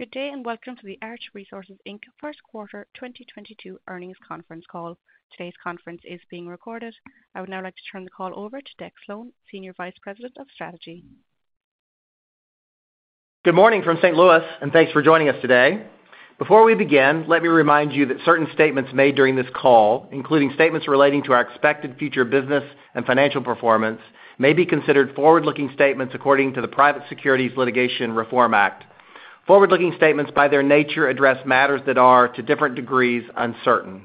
Good day, and welcome to the Arch Resources Inc. First Quarter 2022 earnings conference call. Today's conference is being recorded. I would now like to turn the call over to Deck Slone, Senior Vice President of Strategy. Good morning from St. Louis, and thanks for joining us today. Before we begin, let me remind you that certain statements made during this call, including statements relating to our expected future business and financial performance, may be considered forward-looking statements according to the Private Securities Litigation Reform Act. Forward-looking statements by their nature address matters that are to different degrees uncertain.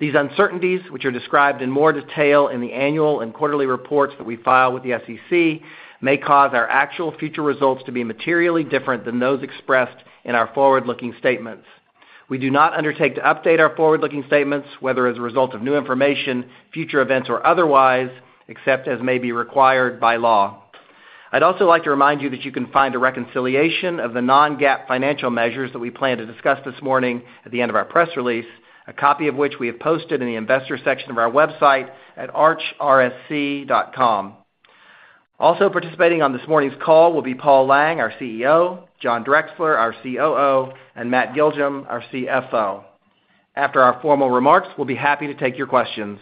These uncertainties, which are described in more detail in the annual and quarterly reports that we file with the SEC, may cause our actual future results to be materially different than those expressed in our forward-looking statements. We do not undertake to update our forward-looking statements, whether as a result of new information, future events, or otherwise, except as may be required by law. I'd also like to remind you that you can find a reconciliation of the non-GAAP financial measures that we plan to discuss this morning at the end of our press release, a copy of which we have posted in the investor section of our website at archrsc.com. Also participating on this morning's call will be Paul Lang, our CEO, John Drexler, our COO, and Matt Giljum, our CFO. After our formal remarks, we'll be happy to take your questions.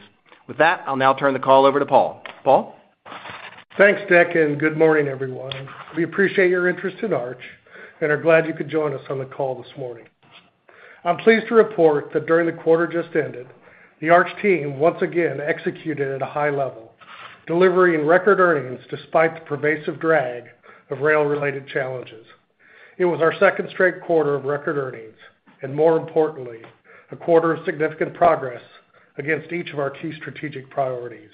With that, I'll now turn the call over to Paul. Paul? Thanks, Deck, and good morning, everyone. We appreciate your interest in Arch and are glad you could join us on the call this morning. I'm pleased to report that during the quarter just ended, the Arch team once again executed at a high level, delivering record earnings despite the pervasive drag of rail-related challenges. It was our second straight quarter of record earnings, and more importantly, a quarter of significant progress against each of our key strategic priorities.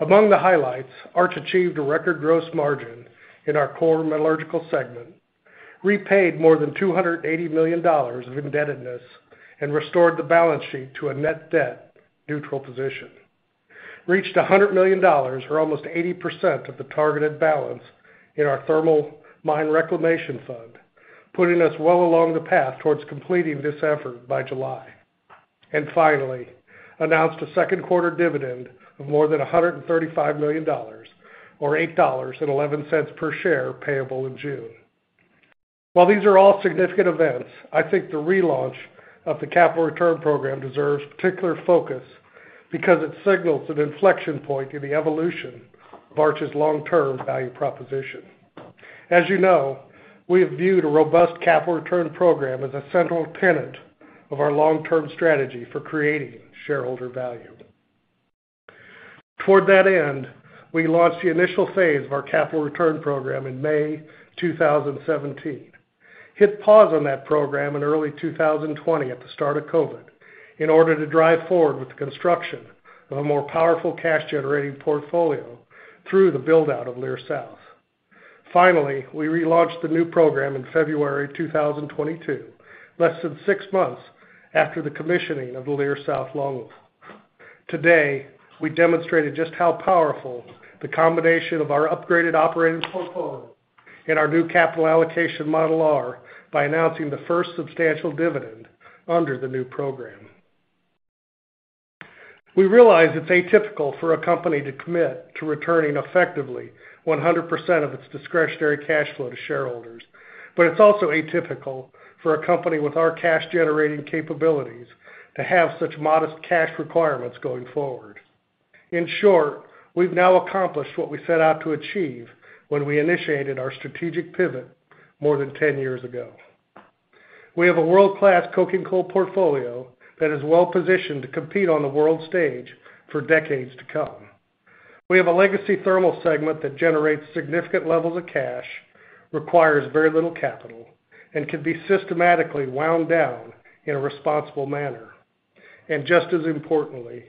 Among the highlights, Arch achieved a record gross margin in our core Metallurgical segment, repaid more than $280 million of indebtedness, and restored the balance sheet to a net debt neutral position, reached $100 million or almost 80% of the targeted balance in our Thermal Mine Reclamation Fund, putting us well along the path towards completing this effort by July. Finally, announced a second quarter dividend of more than $135 million or $8.11 per share payable in June. While these are all significant events, I think the relaunch of the capital return program deserves particular focus because it signals an inflection point in the evolution of Arch's long-term value proposition. As you know, we have viewed a robust capital return program as a central tenet of our long-term strategy for creating shareholder value. Toward that end, we launched the initial phase of our capital return program in May 2017. Hit pause on that program in early 2020 at the start of COVID in order to drive forward with the construction of a more powerful cash-generating portfolio through the build-out of Leer South. Finally, we relaunched the new program in February 2022, less than six months after the commissioning of the Leer South longwall. Today, we demonstrated just how powerful the combination of our upgraded operating portfolio and our new capital allocation model are by announcing the first substantial dividend under the new program. We realize it's atypical for a company to commit to returning effectively 100% of its discretionary cash flow to shareholders, but it's also atypical for a company with our cash-generating capabilities to have such modest cash requirements going forward. In short, we've now accomplished what we set out to achieve when we initiated our strategic pivot more than 10 years ago. We have a world-class coking coal portfolio that is well-positioned to compete on the world stage for decades to come. We have a Legacy Thermal segment that generates significant levels of cash, requires very little capital, and can be systematically wound down in a responsible manner. Just as importantly,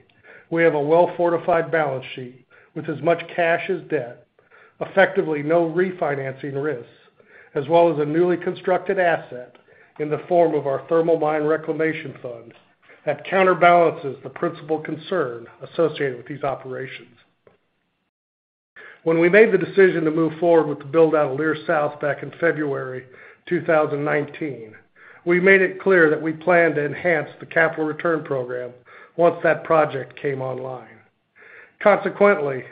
we have a well-fortified balance sheet with as much cash as debt, effectively no refinancing risks, as well as a newly constructed asset in the form of our Thermal Mine Reclamation Fund that counterbalances the principal concern associated with these operations. When we made the decision to move forward with the build-out of Leer South back in February 2019, we made it clear that we planned to enhance the capital return program once that project came online. Consequently,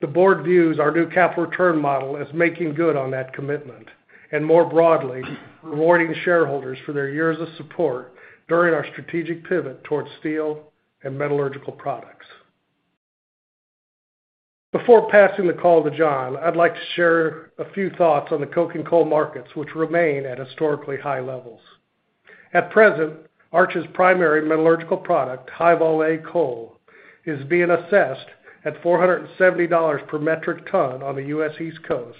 the Board views our new capital return model as making good on that commitment, and more broadly, rewarding shareholders for their years of support during our strategic pivot towards steel and metallurgical products. Before passing the call to John, I'd like to share a few thoughts on the coking coal markets which remain at historically high levels. At present, Arch's primary metallurgical product, High-Vol A coal, is being assessed at $470 per metric ton on the U.S. East Coast,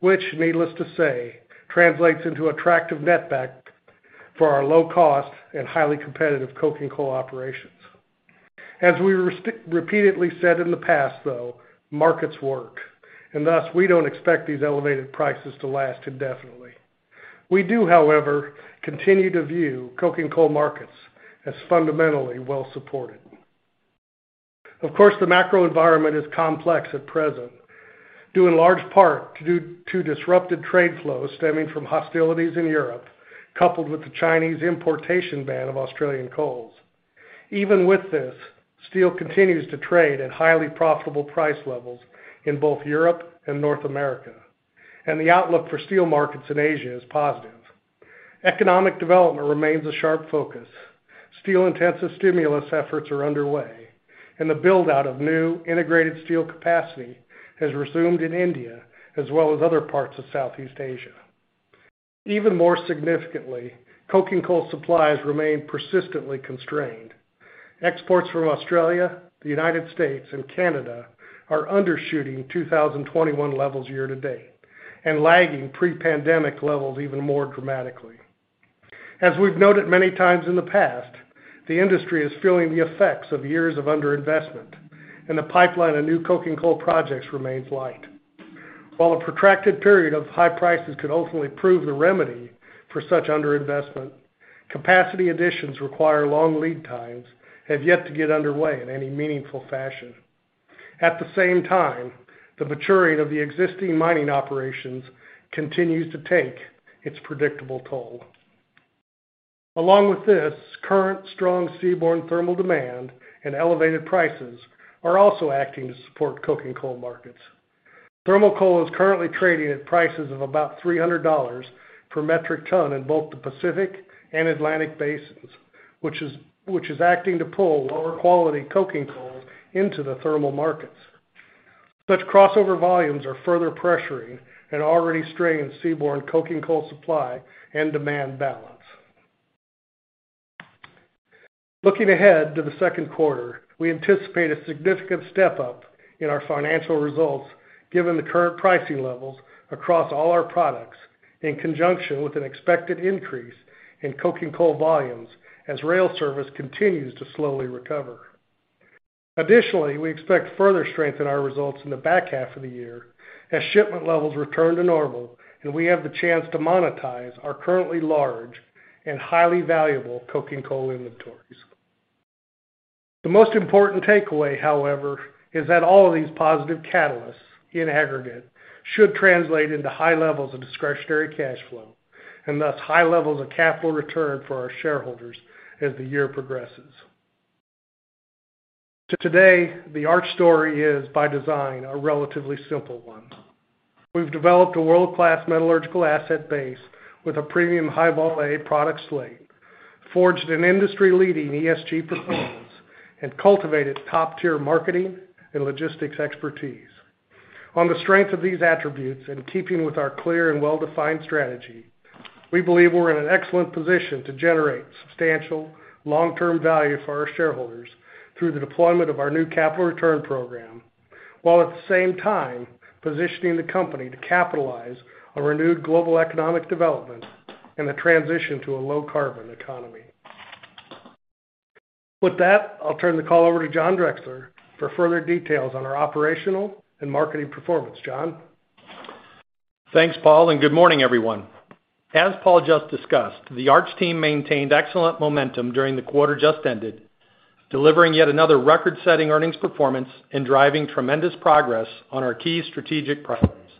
which needless to say, translates into attractive netback for our low cost and highly competitive coking coal operations. As we repeatedly said in the past, though, markets work, and thus we don't expect these elevated prices to last indefinitely. We do, however, continue to view coking coal markets as fundamentally well supported. Of course, the macro environment is complex at present, due in large part to disrupted trade flows stemming from hostilities in Europe, coupled with the Chinese importation ban of Australian coals. Even with this, steel continues to trade at highly profitable price levels in both Europe and North America, and the outlook for steel markets in Asia is positive. Economic development remains a sharp focus. Steel-intensive stimulus efforts are underway, and the build-out of new integrated steel capacity has resumed in India as well as other parts of Southeast Asia. Even more significantly, coking coal supplies remain persistently constrained. Exports from Australia, the United States, and Canada are undershooting 2021 levels year-to-date. And lagging pre-pandemic levels even more dramatically. As we've noted many times in the past, the industry is feeling the effects of years of underinvestment, and the pipeline of new coking coal projects remains light. While a protracted period of high prices could ultimately prove the remedy for such underinvestment, capacity additions require long lead times have yet to get underway in any meaningful fashion. At the same time, the maturing of the existing mining operations continues to take its predictable toll. Along with this, current strong seaborne thermal demand and elevated prices are also acting to support coking coal markets. Thermal coal is currently trading at prices of about $300 per metric ton in both the Pacific and Atlantic basins, which is acting to pull lower-quality coking coal into the thermal markets. Such crossover volumes are further pressuring an already strained seaborne coking coal supply and demand balance. Looking ahead to the second quarter, we anticipate a significant step-up in our financial results given the current pricing levels across all our products in conjunction with an expected increase in coking coal volumes as rail service continues to slowly recover. Additionally, we expect further strength in our results in the back half of the year as shipment levels return to normal, and we have the chance to monetize our currently large and highly valuable coking coal inventories. The most important takeaway, however, is that all of these positive catalysts in aggregate should translate into high levels of discretionary cash flow, and thus high levels of capital return for our shareholders as the year progresses. Today, the Arch story is, by design, a relatively simple one. We've developed a world-class metallurgical asset base with a premium High-Vol A product slate, forged an industry-leading ESG proposals, and cultivated top-tier marketing and logistics expertise. On the strength of these attributes, in keeping with our clear and well-defined strategy, we believe we're in an excellent position to generate substantial long-term value for our shareholders through the deployment of our new capital return program, while at the same time positioning the company to capitalize on renewed global economic development and the transition to a low-carbon economy. With that, I'll turn the call over to John Drexler for further details on our operational and marketing performance. John? Thanks, Paul, and good morning, everyone. As Paul just discussed, the Arch team maintained excellent momentum during the quarter just ended, delivering yet another record-setting earnings performance and driving tremendous progress on our key strategic priorities.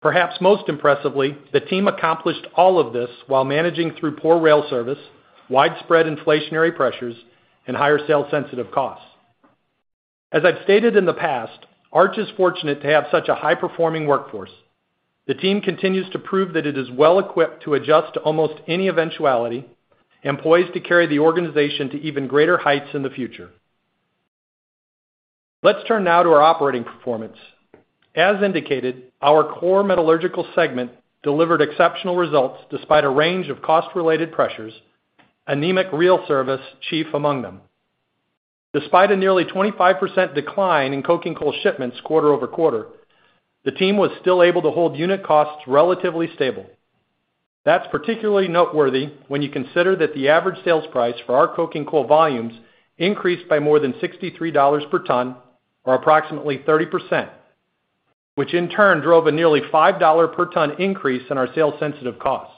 Perhaps most impressively, the team accomplished all of this while managing through poor rail service, widespread inflationary pressures, and higher sales-sensitive costs. As I've stated in the past, Arch is fortunate to have such a high-performing workforce. The team continues to prove that it is well-equipped to adjust to almost any eventuality and poised to carry the organization to even greater heights in the future. Let's turn now to our operating performance. As indicated, our core metallurgical segment delivered exceptional results despite a range of cost-related pressures, anemic rail service chief among them. Despite a nearly 25% decline in coking coal shipments quarter-over-quarter, the team was still able to hold unit costs relatively stable. That's particularly noteworthy when you consider that the average sales price for our coking coal volumes increased by more than $63 per ton, or approximately 30%, which in turn drove a nearly $5 per ton increase in our sales-sensitive costs.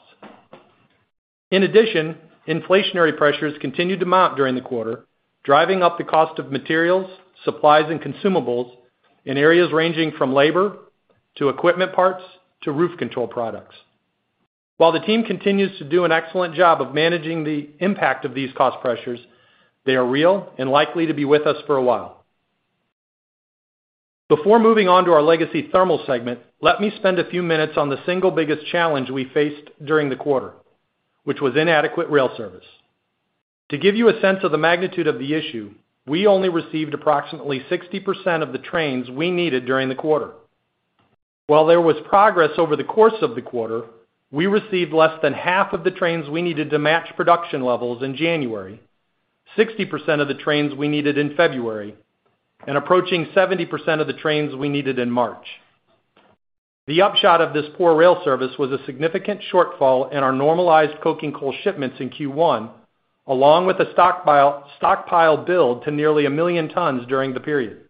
In addition, inflationary pressures continued to mount during the quarter, driving up the cost of materials, supplies, and consumables in areas ranging from labor to equipment parts to roof control products. While the team continues to do an excellent job of managing the impact of these cost pressures, they are real and likely to be with us for a while. Before moving on to our Legacy Thermal segment, let me spend a few minutes on the single biggest challenge we faced during the quarter, which was inadequate rail service. To give you a sense of the magnitude of the issue, we only received approximately 60% of the trains we needed during the quarter. While there was progress over the course of the quarter, we received less than half of the trains we needed to match production levels in January, 60% of the trains we needed in February, and approaching 70% of the trains we needed in March. The upshot of this poor rail service was a significant shortfall in our normalized coking coal shipments in Q1, along with a stockpile build to nearly 1 million tons during the period.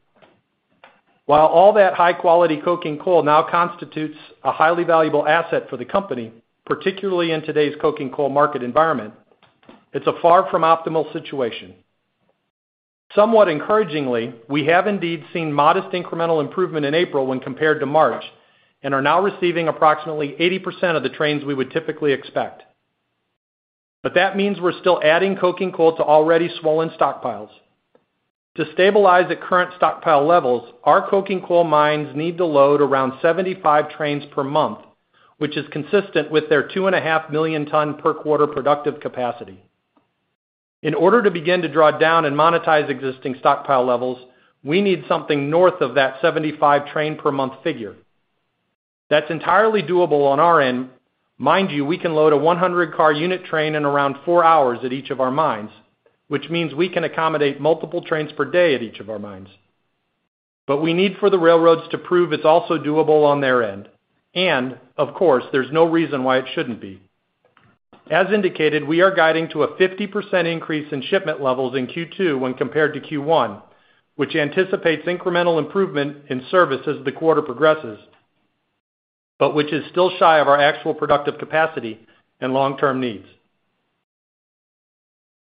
While all that high-quality coking coal now constitutes a highly valuable asset for the company, particularly in today's coking coal market environment, it's a far from optimal situation. Somewhat encouragingly, we have indeed seen modest incremental improvement in April when compared to March and are now receiving approximately 80% of the trains we would typically expect. That means we're still adding coking coal to already swollen stockpiles. To stabilize the current stockpile levels, our coking coal mines need to load around 75 trains per month, which is consistent with their 2.5 million tons per quarter productive capacity. In order to begin to draw down and monetize existing stockpile levels, we need something north of that 75 trains per month figure. That's entirely doable on our end. Mind you, we can load a 100-car unit train in around four hours at each of our mines, which means we can accommodate multiple trains per day at each of our mines. We need for the railroads to prove it's also doable on their end. Of course, there's no reason why it shouldn't be. As indicated, we are guiding to a 50% increase in shipment levels in Q2 when compared to Q1, which anticipates incremental improvement in service as the quarter progresses, but which is still shy of our actual productive capacity and long-term needs.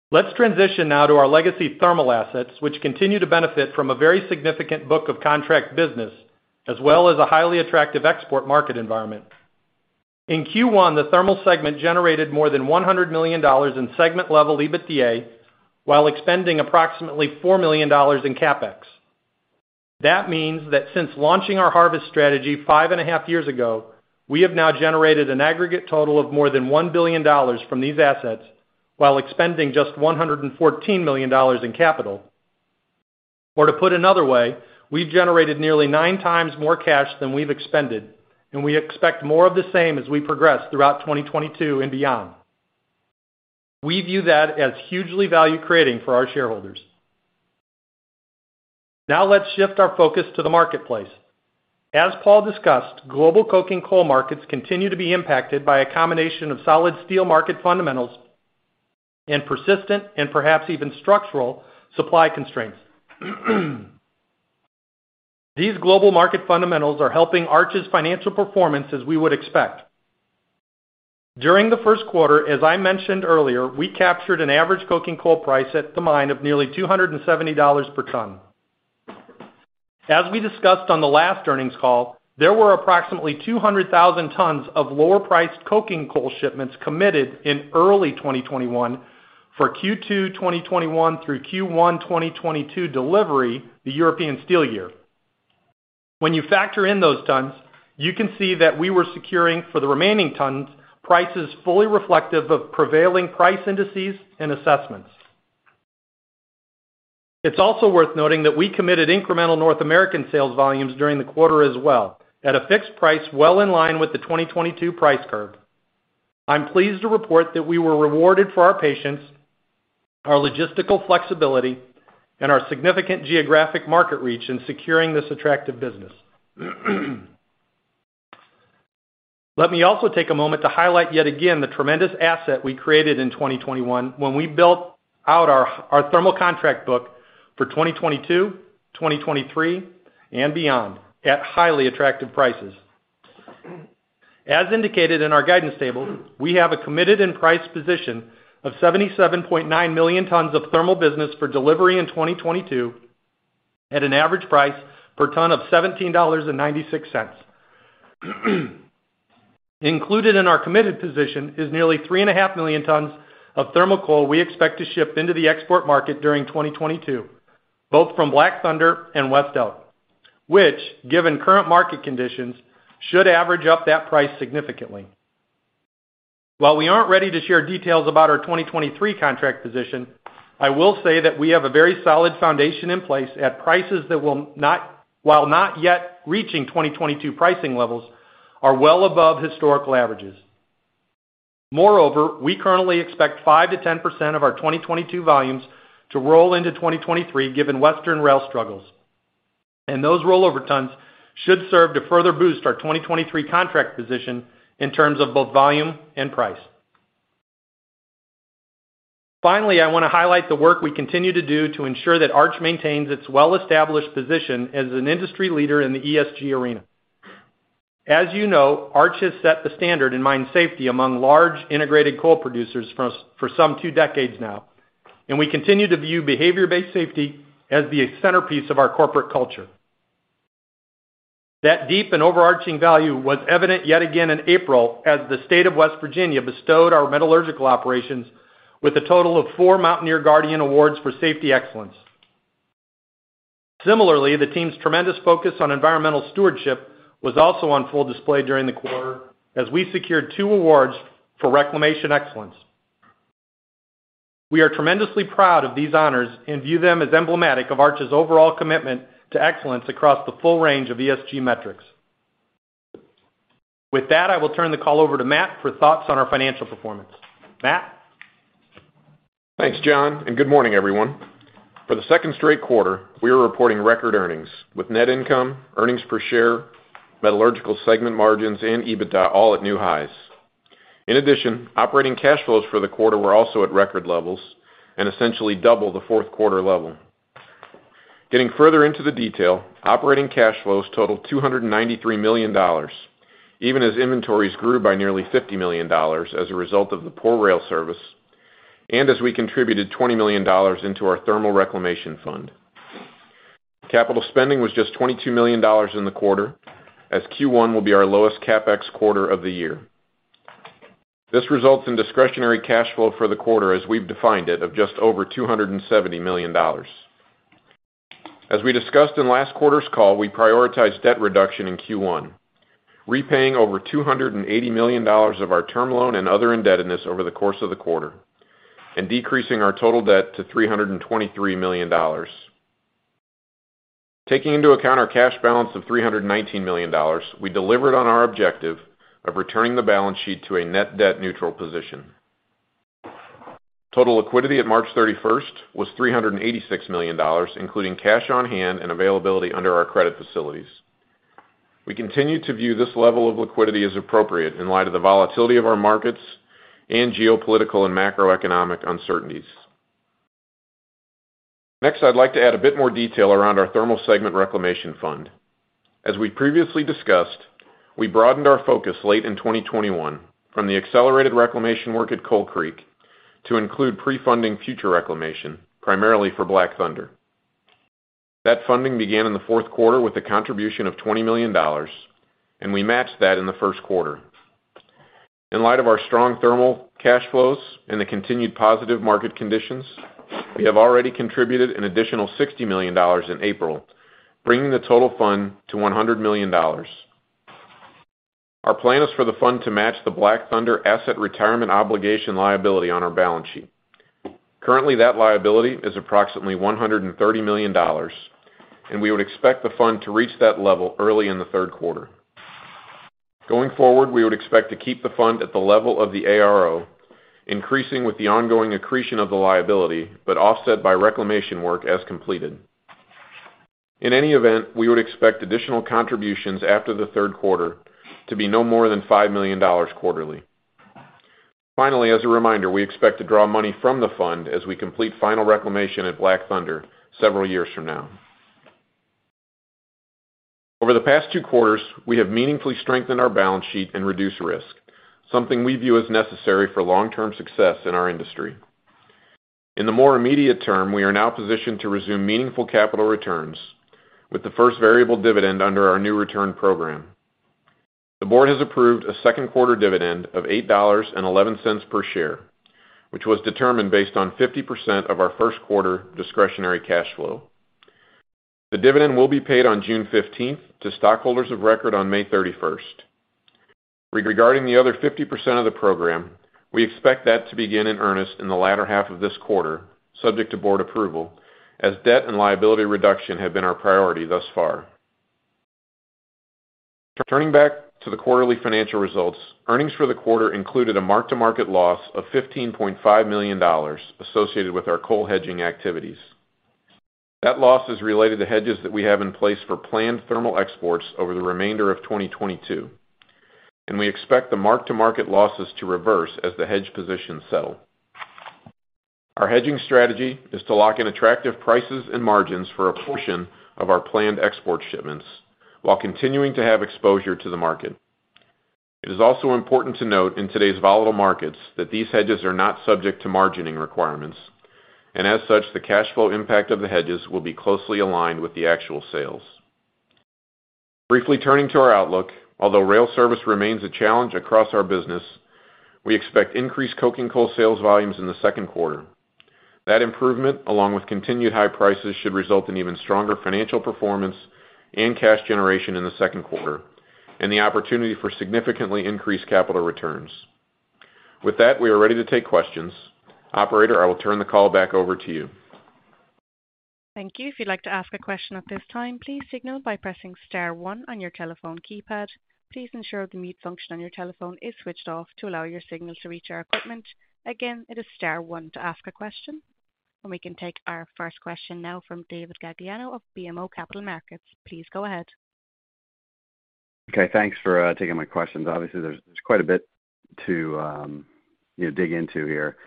Let's transition now to our legacy thermal assets, which continue to benefit from a very significant book of contract business as well as a highly attractive export market environment. In Q1, the Thermal segment generated more than $100 million in segment-level EBITDA while expending approximately $4 million in CapEx. That means that since launching our harvest strategy 5.5 years ago, we have now generated an aggregate total of more than $1 billion from these assets while expending just $114 million in capital. To put another way, we've generated nearly 9x more cash than we've expended, and we expect more of the same as we progress throughout 2022 and beyond. We view that as hugely value-creating for our shareholders. Now let's shift our focus to the marketplace. As Paul discussed, global coking coal markets continue to be impacted by a combination of solid steel market fundamentals and persistent and perhaps even structural supply constraints. These global market fundamentals are helping Arch's financial performance as we would expect. During the first quarter, as I mentioned earlier, we captured an average coking coal price at the mine of nearly $270 per ton. As we discussed on the last earnings call, there were approximately 200,000 tons of lower-priced coking coal shipments committed in early 2021 for Q2 2021 through Q1 2022 delivery the European steel year. When you factor in those tons, you can see that we were securing for the remaining tons prices fully reflective of prevailing price indices and assessments. It's also worth noting that we committed incremental North American sales volumes during the quarter as well at a fixed price well in line with the 2022 price curve. I'm pleased to report that we were rewarded for our patience, our logistical flexibility, and our significant geographic market reach in securing this attractive business. Let me also take a moment to highlight yet again the tremendous asset we created in 2021 when we built out our thermal contract book for 2022, 2023 and beyond at highly attractive prices. As indicated in our guidance table, we have a committed end price position of 77.9 million tons of thermal business for delivery in 2022 at an average price per ton of $17.96. Included in our committed position is nearly 3.5 million tons of thermal coal we expect to ship into the export market during 2022, both from Black Thunder and West Elk, which, given current market conditions, should average up that price significantly. While we aren't ready to share details about our 2023 contract position, I will say that we have a very solid foundation in place at prices that will not, while not yet reaching 2022 pricing levels, are well above historical averages. Moreover, we currently expect 5%-10% of our 2022 volumes to roll into 2023, given Western rail struggles. Those rollover tons should serve to further boost our 2023 contract position in terms of both volume and price. Finally, I wanna highlight the work we continue to do to ensure that Arch maintains its well-established position as an industry leader in the ESG arena. As you know, Arch has set the standard in mine safety among large integrated coal producers for some two decades now, and we continue to view behavior-based safety as the centerpiece of our corporate culture. That deep and overarching value was evident yet again in April as the state of West Virginia bestowed our metallurgical operations with a total of four Mountaineer Guardian Awards for safety excellence. Similarly, the team's tremendous focus on environmental stewardship was also on full display during the quarter as we secured two awards for reclamation excellence. We are tremendously proud of these honors and view them as emblematic of Arch's overall commitment to excellence across the full range of ESG metrics. With that, I will turn the call over to Matt for thoughts on our financial performance. Matt? Thanks, John, and good morning, everyone. For the second straight quarter, we are reporting record earnings with net income, earnings per share, Metallurgical segment margins and EBITDA all at new highs. In addition, operating cash flows for the quarter were also at record levels and essentially double the fourth quarter level. Getting further into the detail, operating cash flows totaled $293 million, even as inventories grew by nearly $50 million as a result of the poor rail service, and as we contributed $20 million into our thermal reclamation fund. Capital spending was just $22 million in the quarter, as Q1 will be our lowest CapEx quarter of the year. This results in discretionary cash flow for the quarter as we've defined it, of just over $270 million. As we discussed in last quarter's call, we prioritize debt reduction in Q1, repaying over $280 million of our term loan and other indebtedness over the course of the quarter, and decreasing our total debt to $323 million. Taking into account our cash balance of $319 million, we delivered on our objective of returning the balance sheet to a net debt neutral position. Total liquidity at March 31 was $386 million, including cash on hand and availability under our credit facilities. We continue to view this level of liquidity as appropriate in light of the volatility of our markets and geopolitical and macroeconomic uncertainties. Next, I'd like to add a bit more detail around our thermal segment reclamation fund. As we previously discussed, we broadened our focus late in 2021 from the accelerated reclamation work at Coal Creek to include pre-funding future reclamation, primarily for Black Thunder. That funding began in the fourth quarter with a contribution of $20 million, and we matched that in the first quarter. In light of our strong thermal cash flows and the continued positive market conditions, we have already contributed an additional $60 million in April, bringing the total fund to $100 million. Our plan is for the fund to match the Black Thunder asset retirement obligation liability on our balance sheet. Currently, that liability is approximately $130 million, and we would expect the fund to reach that level early in the third quarter. Going forward, we would expect to keep the fund at the level of the ARO, increasing with the ongoing accretion of the liability, but offset by reclamation work as completed. In any event, we would expect additional contributions after the third quarter to be no more than $5 million quarterly. Finally, as a reminder, we expect to draw money from the fund as we complete final reclamation at Black Thunder several years from now. Over the past two quarters, we have meaningfully strengthened our balance sheet and reduced risk, something we view as necessary for long-term success in our industry. In the more immediate term, we are now positioned to resume meaningful capital returns with the first variable dividend under our new return program. The Board has approved a second quarter dividend of $8.11 per share, which was determined based on 50% of our first quarter discretionary cash flow. The dividend will be paid on June 15 to stockholders of record on May 31. Regarding the other 50% of the program, we expect that to begin in earnest in the latter half of this quarter, subject to Board approval, as debt and liability reduction have been our priority thus far. Turning back to the quarterly financial results, earnings for the quarter included a mark-to-market loss of $15.5 million associated with our coal hedging activities. That loss is related to hedges that we have in place for planned thermal exports over the remainder of 2022, and we expect the mark-to-market losses to reverse as the hedge positions settle. Our hedging strategy is to lock in attractive prices and margins for a portion of our planned export shipments while continuing to have exposure to the market. It is also important to note in today's volatile markets that these hedges are not subject to margining requirements, and as such, the cash flow impact of the hedges will be closely aligned with the actual sales. Briefly turning to our outlook. Although rail service remains a challenge across our business, we expect increased coking coal sales volumes in the second quarter. That improvement, along with continued high prices, should result in even stronger financial performance and cash generation in the second quarter and the opportunity for significantly increased capital returns. With that, we are ready to take questions. Operator, I will turn the call back over to you. Thank you. If you'd like to ask a question at this time, please signal by pressing star one on your telephone keypad. Please ensure the mute function on your telephone is switched off to allow your signal to reach our equipment. Again, it is star one to ask a question. We can take our first question now from David Gagliano of BMO Capital Markets. Please go ahead. Okay, thanks for taking my questions. Obviously, there's quite a bit to, you know, dig into here.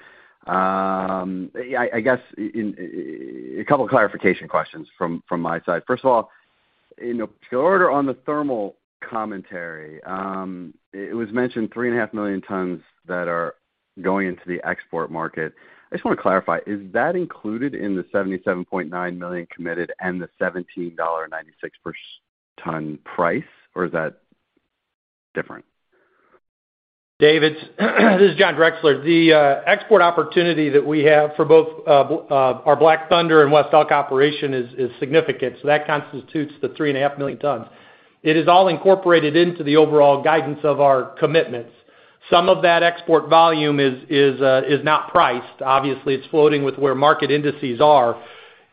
Yeah, I guess a couple clarification questions from my side. First of all, in the order on the thermal commentary, it was mentioned 3.5 million tons that are going into the export market. I just want to clarify, is that included in the 77.9 million committed and the $17.96 per ton price, or is that different? David, this is John Drexler. The export opportunity that we have for both our Black Thunder and West Elk operation is significant. That constitutes the 3.5 million tons. It is all incorporated into the overall guidance of our commitments. Some of that export volume is not priced. Obviously, it's floating with where market indices are,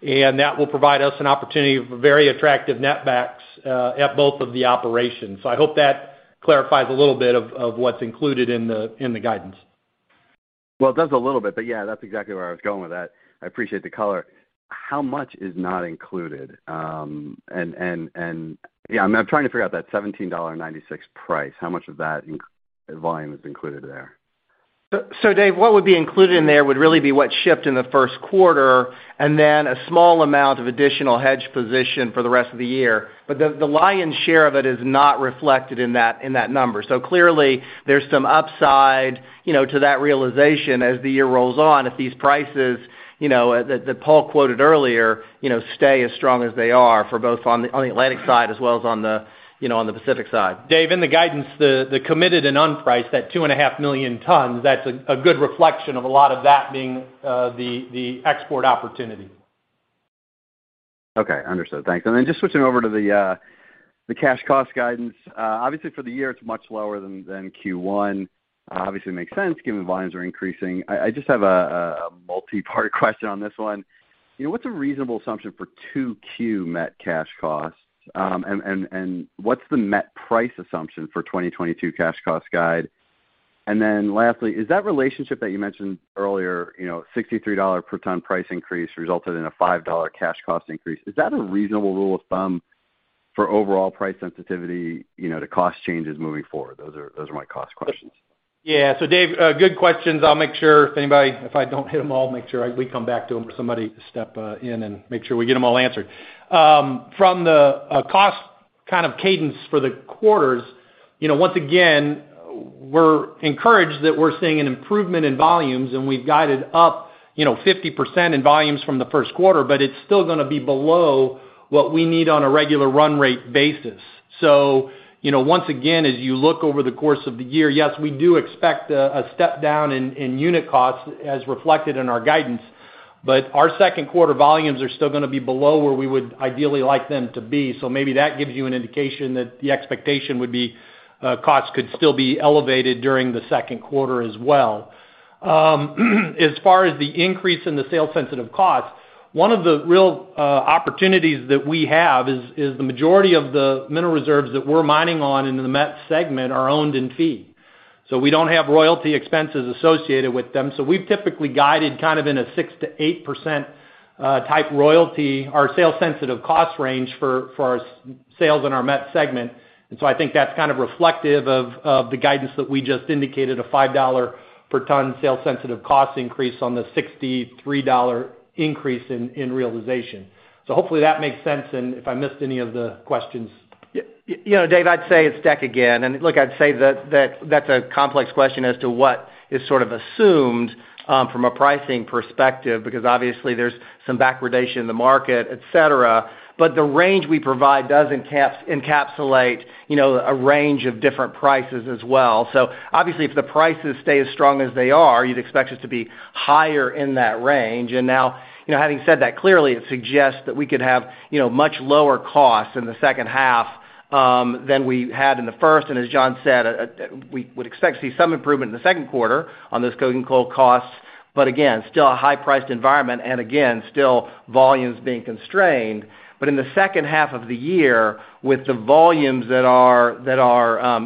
and that will provide us an opportunity for very attractive net backs at both of the operations. I hope that clarifies a little bit of what's included in the guidance. Well, it does a little bit, but yeah, that's exactly where I was going with that. I appreciate the color. How much is not included? Yeah, I mean, I'm trying to figure out that $17.96 price. How much of that volume is included there? David, what would be included in there would really be what shipped in the first quarter and then a small amount of additional hedge position for the rest of the year. But the lion's share of it is not reflected in that number. Clearly there's some upside, you know, to that realization as the year rolls on if these prices, you know, that Paul quoted earlier, you know, stay as strong as they are for both on the Atlantic side as well as you know, on the Pacific side. David, in the guidance, the committed and unpriced, that 2.5 million tons, that's a good reflection of a lot of that being the export opportunity. Okay. Understood. Thanks. Then just switching over to the cash cost guidance. Obviously, for the year, it's much lower than Q1. Obviously makes sense given volumes are increasing. I just have a multi-part question on this one. You know, what's a reasonable assumption for 2Q met cash costs? And what's the met price assumption for 2022 cash cost guide? And then lastly, is that relationship that you mentioned earlier, you know, $63 per ton price increase resulted in a $5 cash cost increase, is that a reasonable rule of thumb for overall price sensitivity, you know, to cost changes moving forward? Those are my cost questions. Yeah. Dave, good questions. I'll make sure if anybody, if I don't hit them all, we come back to them for somebody to step in and make sure we get them all answered. From the cost kind of cadence for the quarters, you know, once again, we're encouraged that we're seeing an improvement in volumes, and we've guided up, you know, 50% in volumes from the first quarter, but it's still gonna be below what we need on a regular run rate basis. You know, once again, as you look over the course of the year, yes, we do expect a step down in unit costs as reflected in our guidance. Our second quarter volumes are still gonna be below where we would ideally like them to be. Maybe that gives you an indication that the expectation would be, costs could still be elevated during the second quarter as well. As far as the increase in the sales sensitive costs, one of the real opportunities that we have is the majority of the mineral reserves that we're mining on in the met segment are owned in fee. We don't have royalty expenses associated with them. We've typically guided kind of in a 6%-8% typical royalty or sales sensitive cost range for our sales in our met segment. I think that's kind of reflective of the guidance that we just indicated, a $5 per ton sales sensitive cost increase on the $63 increase in realization. Hopefully that makes sense. If I missed any of the questions. Yeah, you know, David, I'd say it's Deck again. Look, I'd say that that's a complex question as to what is sort of assumed from a pricing perspective, because obviously there's some backwardation in the market, et cetera. The range we provide does encapsulate, you know, a range of different prices as well. Obviously, if the prices stay as strong as they are, you'd expect it to be higher in that range. Now, you know, having said that, clearly it suggests that we could have, you know, much lower costs in the second half than we had in the first. As John said, we would expect to see some improvement in the second quarter on those coking coal costs, but again, still a high priced environment and again, still volumes being constrained. In the second half of the year, with the volumes that are,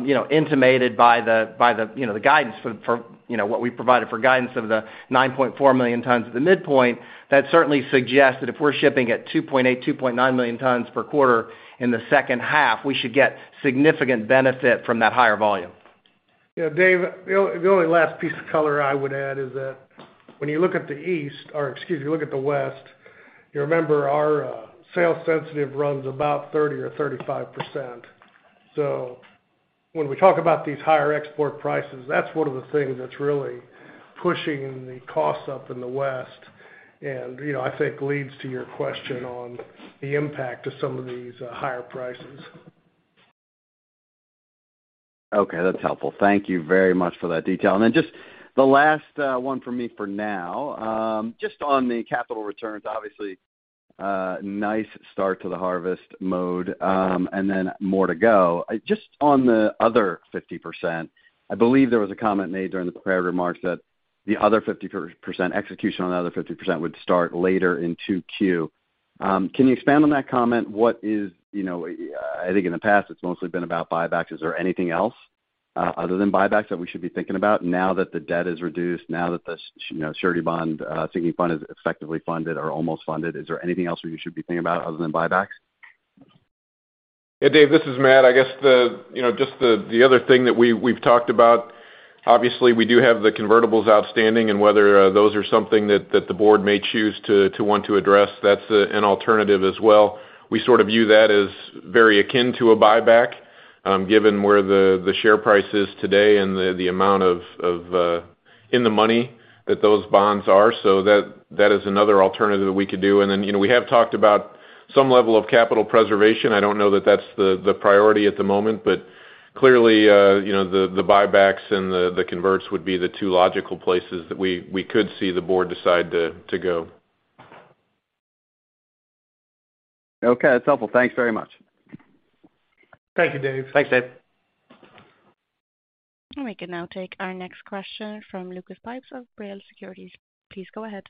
you know, indicated by the, you know, the guidance for, you know, what we provided for guidance of the 9.4 million tons at the midpoint, that certainly suggests that if we're shipping at 2.8 million-2.9 million tons per quarter in the second half, we should get significant benefit from that higher volume. Yeah, David, the only last piece of color I would add is that when you look at the west, you remember our sales sensitive runs about 30%-35%. When we talk about these higher export prices, that's one of the things that's really pushing the costs up in the west and, you know, I think leads to your question on the impact of some of these higher prices. Okay. That's helpful. Thank you very much for that detail. Just the last one for me for now, just on the capital returns, obviously, nice start to the harvest mode, and then more to go. Just on the other 50%, I believe there was a comment made during the prepared remarks that the other 50% execution on the other 50% would start later in 2Q. Can you expand on that comment? What is, you know, I think in the past it's mostly been about buybacks. Is there anything else other than buybacks that we should be thinking about now that the debt is reduced, now that the surety bond, you know, sinking fund is effectively funded or almost funded? Is there anything else that you should be thinking about other than buybacks? Yeah, Dave, this is Matt. I guess the, you know, just the other thing that we've talked about. Obviously we do have the convertibles outstanding, and whether those are something that the Board may choose to want to address. That's an alternative as well. We sort of view that as very akin to a buyback, given where the share price is today and the amount of in the money that those bonds are. That is another alternative that we could do. Then, you know, we have talked about some level of capital preservation. I don't know that that's the priority at the moment, but clearly, you know, the buybacks and the converts would be the two logical places that we could see the Board decide to go. Okay. That's helpful. Thanks very much. Thank you, David. Thanks, Dave. We can now take our next question from Lucas Pipes of B. Riley Securities. Please go ahead.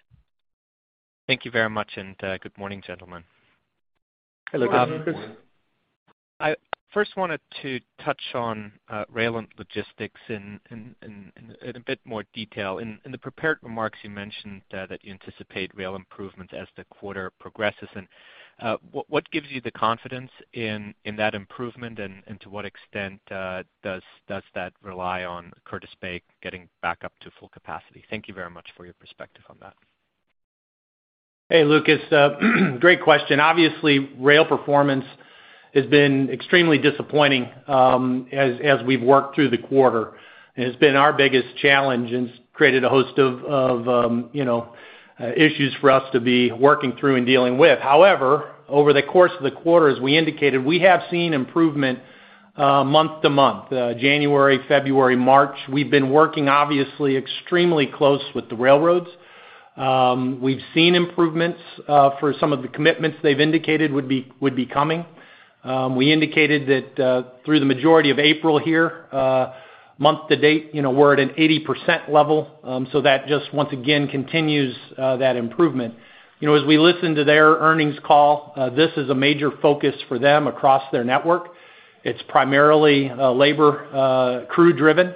Thank you very much, and, good morning, gentlemen. Hello. Good morning. I first wanted to touch on rail and logistics in a bit more detail. In the prepared remarks, you mentioned that you anticipate rail improvements as the quarter progresses. What gives you the confidence in that improvement and to what extent does that rely on Curtis Bay getting back up to full capacity? Thank you very much for your perspective on that. Hey, Lucas, great question. Obviously, rail performance has been extremely disappointing, as we've worked through the quarter, and it's been our biggest challenge and it's created a host of, you know, issues for us to be working through and dealing with. However, over the course of the quarter, as we indicated, we have seen improvement, month-to-month. January, February, March, we've been working obviously extremely close with the railroads. We've seen improvements, for some of the commitments they've indicated would be coming. We indicated that, through the majority of April here, month-to-date, you know, we're at an 80% level, so that just once again continues that improvement. You know, as we listen to their earnings call, this is a major focus for them across their network. It's primarily labor crew driven.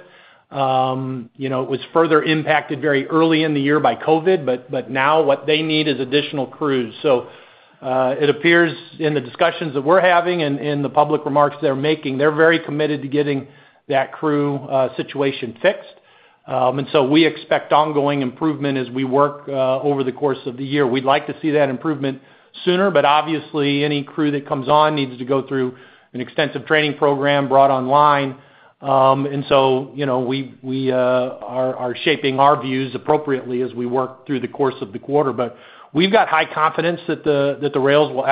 You know, it was further impacted very early in the year by COVID, but now what they need is additional crews. It appears in the discussions that we're having and in the public remarks they're making, they're very committed to getting that crew situation fixed. We expect ongoing improvement as we work over the course of the year. We'd like to see that improvement sooner, but obviously, any crew that comes on needs to go through an extensive training program brought online. You know, we are shaping our views appropriately as we work through the course of the quarter. But we've got high confidence that the rails will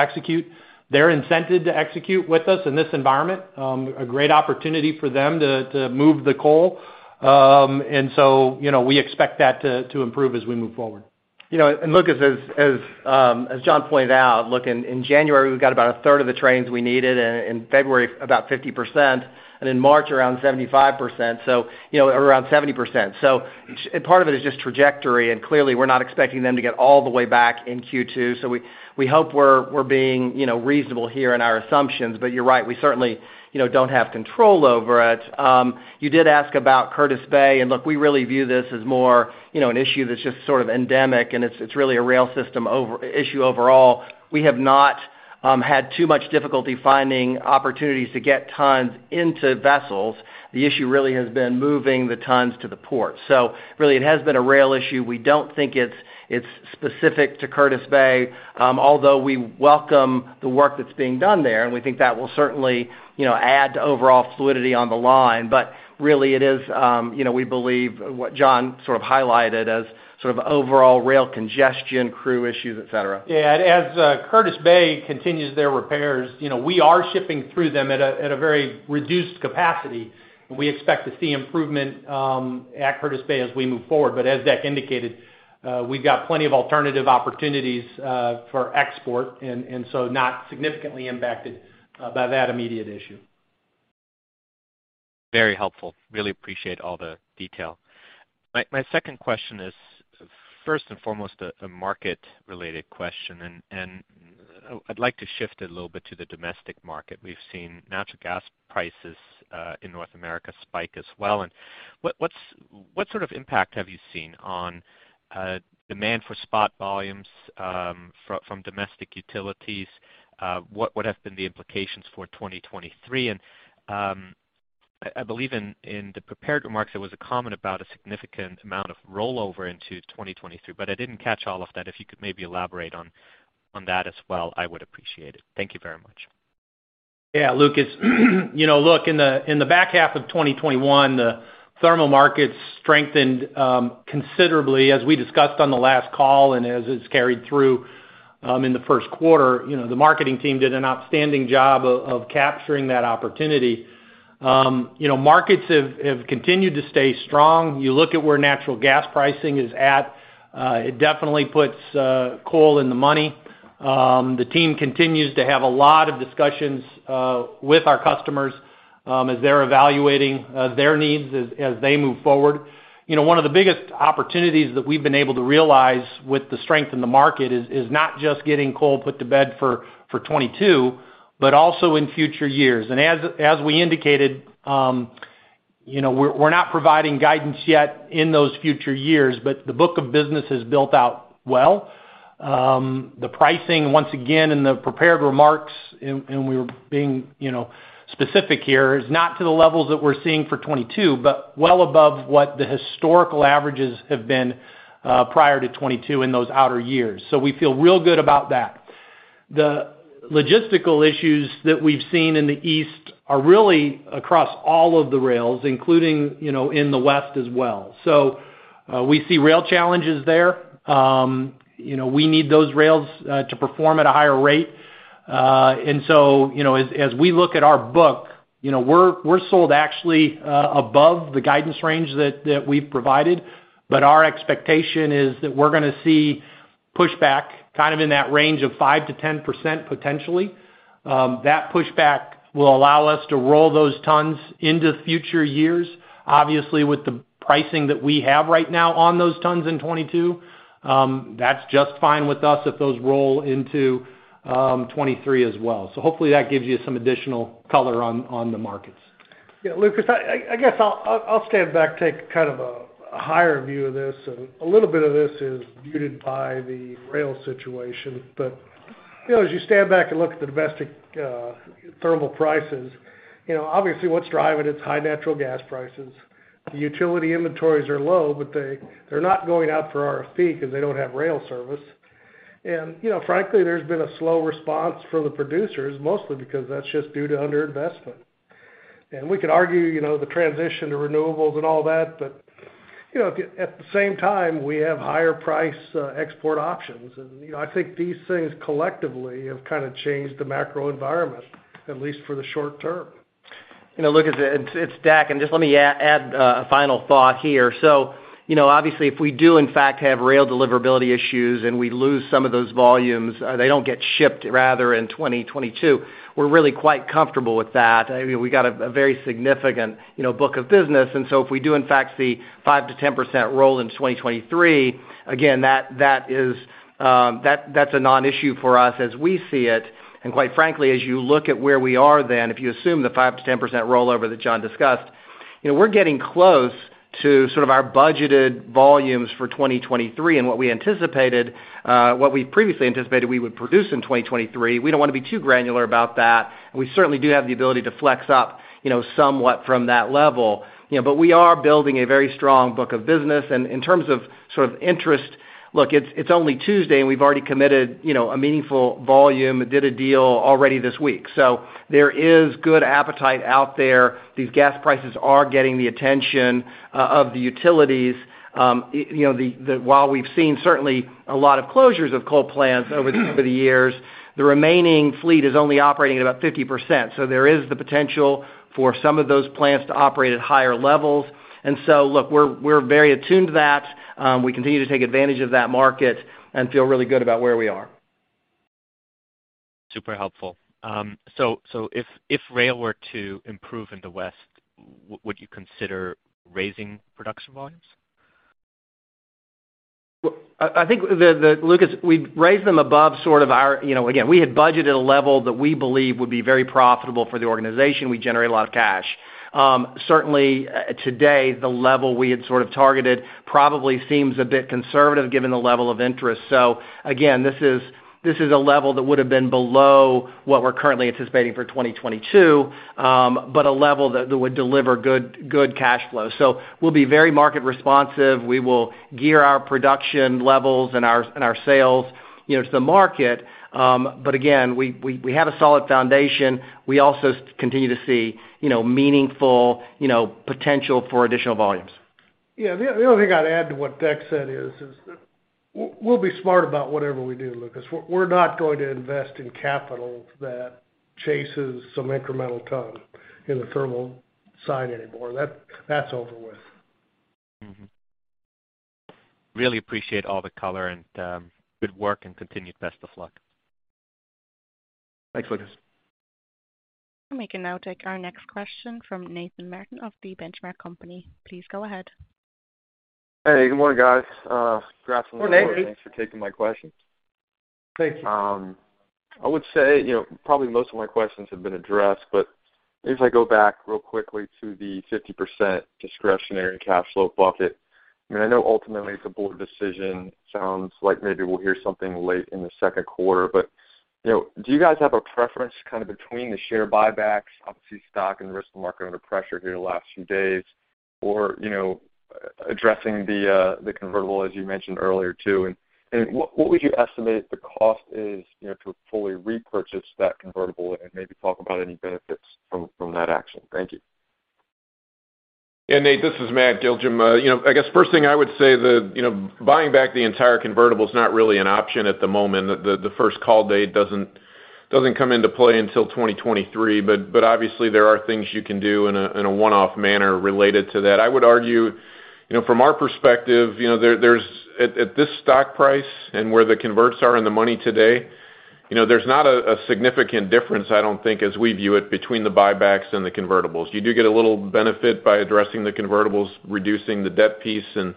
execute. They're incented to execute with us in this environment. A great opportunity for them to move the coal. You know, we expect that to improve as we move forward. You know, Lucas, as John pointed out, look, in January, we got about a third of the trains we needed, and in February, about 50%, and in March, around 75%. You know, or around 70%. Part of it is just trajectory, and clearly, we're not expecting them to get all the way back in Q2. We hope we're being you know, reasonable here in our assumptions. You're right, we certainly you know, don't have control over it. You did ask about Curtis Bay, and look, we really view this as more you know, an issue that's just sort of endemic, and it's really a rail system issue overall. We have not had too much difficulty finding opportunities to get tons into vessels. The issue really has been moving the tons to the port. Really, it has been a rail issue. We don't think it's specific to Curtis Bay, although we welcome the work that's being done there, and we think that will certainly, you know, add to overall fluidity on the line. Really it is, you know, we believe what John sort of highlighted as sort of overall rail congestion, crew issues, et cetera. Yeah. As Curtis Bay continues their repairs, you know, we are shipping through them at a very reduced capacity. We expect to see improvement at Curtis Bay as we move forward. As Deck indicated, we've got plenty of alternative opportunities for export and so not significantly impacted by that immediate issue. Very helpful. Really appreciate all the detail. My second question is first and foremost a market-related question. I'd like to shift it a little bit to the domestic market. We've seen natural gas prices in North America spike as well. What sort of impact have you seen on demand for spot volumes from domestic utilities? What have been the implications for 2023? I believe in the prepared remarks, there was a comment about a significant amount of rollover into 2023, but I didn't catch all of that. If you could maybe elaborate on that as well, I would appreciate it. Thank you very much. Yeah. Lucas, you know, look, in the back half of 2021, the thermal markets strengthened considerably as we discussed on the last call and as it's carried through in the first quarter. You know, the marketing team did an outstanding job of capturing that opportunity. You know, markets have continued to stay strong. You look at where natural gas pricing is at, it definitely puts coal in the money. The team continues to have a lot of discussions with our customers as they're evaluating their needs as they move forward. You know, one of the biggest opportunities that we've been able to realize with the strength in the market is not just getting coal put to bed for 2022, but also in future years. As we indicated, you know, we're not providing guidance yet in those future years, but the book of business is built out well. The pricing once again in the prepared remarks, and we're being, you know, specific here, is not to the levels that we're seeing for 2022, but well above what the historical averages have been, prior to 2022 in those outer years. We feel real good about that. The logistical issues that we've seen in the East are really across all of the rails, including, you know, in the West as well. We see rail challenges there. You know, we need those rails to perform at a higher rate. You know, as we look at our book, you know, we're sold actually, above the guidance range that we've provided. Our expectation is that we're gonna see pushback kind of in that range of 5%-10% potentially. That pushback will allow us to roll those tons into future years. Obviously, with the pricing that we have right now on those tons in 2022, that's just fine with us if those roll into 2023 as well. Hopefully, that gives you some additional color on the markets. Yeah. Lucas, I guess I'll stand back, take kind of a higher view of this. A little bit of this is muted by the rail situation. You know, as you stand back and look at the domestic thermal prices, you know, obviously, what's driving it is high natural gas prices. The utility inventories are low, but they're not going out for RFP because they don't have rail service. You know, frankly, there's been a slow response from the producers, mostly because that's just due to under-investment. We could argue, you know, the transition to renewables and all that. You know, at the same time, we have higher price export options. You know, I think these things collectively have kind of changed the macro environment, at least for the short term. You know, look, it's Deck, and just let me add a final thought here. You know, obviously, if we do in fact have rail deliverability issues and we lose some of those volumes, they don't get shipped rather in 2022, we're really quite comfortable with that. I mean, we got a very significant, you know, book of business. If we do in fact see 5%-10% rollover in 2023, again, that is, that's a non-issue for us as we see it. Quite frankly, as you look at where we are then, if you assume the 5%-10% rollover that John discussed, you know, we're getting close to sort of our budgeted volumes for 2023 and what we anticipated, what we previously anticipated we would produce in 2023. We don't want to be too granular about that. We certainly do have the ability to flex up, you know, somewhat from that level. You know, but we are building a very strong book of business. In terms of sort of interest, look, it's only Tuesday, and we've already committed, you know, a meaningful volume and did a deal already this week. There is good appetite out there. These gas prices are getting the attention of the utilities. You know, while we've seen certainly a lot of closures of coal plants over the years, the remaining fleet is only operating at about 50%. There is the potential for some of those plants to operate at higher levels. Look, we're very attuned to that. We continue to take advantage of that market and feel really good about where we are. Super helpful. If rail were to improve in the West, would you consider raising production volumes? I think, Lucas, we've raised them above sort of our. You know, again, we had budgeted a level that we believe would be very profitable for the organization. We generate a lot of cash. Certainly today, the level we had sort of targeted probably seems a bit conservative given the level of interest. Again, this is a level that would have been below what we're currently anticipating for 2022, but a level that would deliver good cash flow. We'll be very market responsive. We will gear our production levels and our sales, you know, to the market. But again, we have a solid foundation. We also continue to see, you know, meaningful, you know, potential for additional volumes. Yeah. The only thing I'd add to what Deck said is we'll be smart about whatever we do, Lucas. We're not going to invest in capital that chases some incremental ton in the thermal side anymore. That's over with. Mm-hmm. Really appreciate all the color and good work and continued best of luck. Thanks, Lucas. We can now take our next question from Nathan Martin of The Benchmark Company. Please go ahead. Hey, good morning, guys. Congrats on the quarter. Good morning. Thanks for taking my questions. Thank you. I would say, you know, probably most of my questions have been addressed, but maybe if I go back real quickly to the 50% discretionary cash flow bucket. I mean, I know ultimately it's a Board decision. Sounds like maybe we'll hear something late in the second quarter. You know, do you guys have a preference kind of between the share buybacks, obviously stock and risk market under pressure here the last few days or, you know, addressing the convertible, as you mentioned earlier, too? What would you estimate the cost is, you know, to fully repurchase that convertible and maybe talk about any benefits from that action? Thank you. Yeah, Nate, this is Matt Giljum. You know, I guess first thing I would say that, you know, buying back the entire convertible is not really an option at the moment. The first call date doesn't come into play until 2023. But obviously there are things you can do in a one-off manner related to that. I would argue, you know, from our perspective, you know, there's at this stock price and where the converts are in the money today, you know, there's not a significant difference, I don't think, as we view it between the buybacks and the convertibles. You do get a little benefit by addressing the convertibles, reducing the debt piece and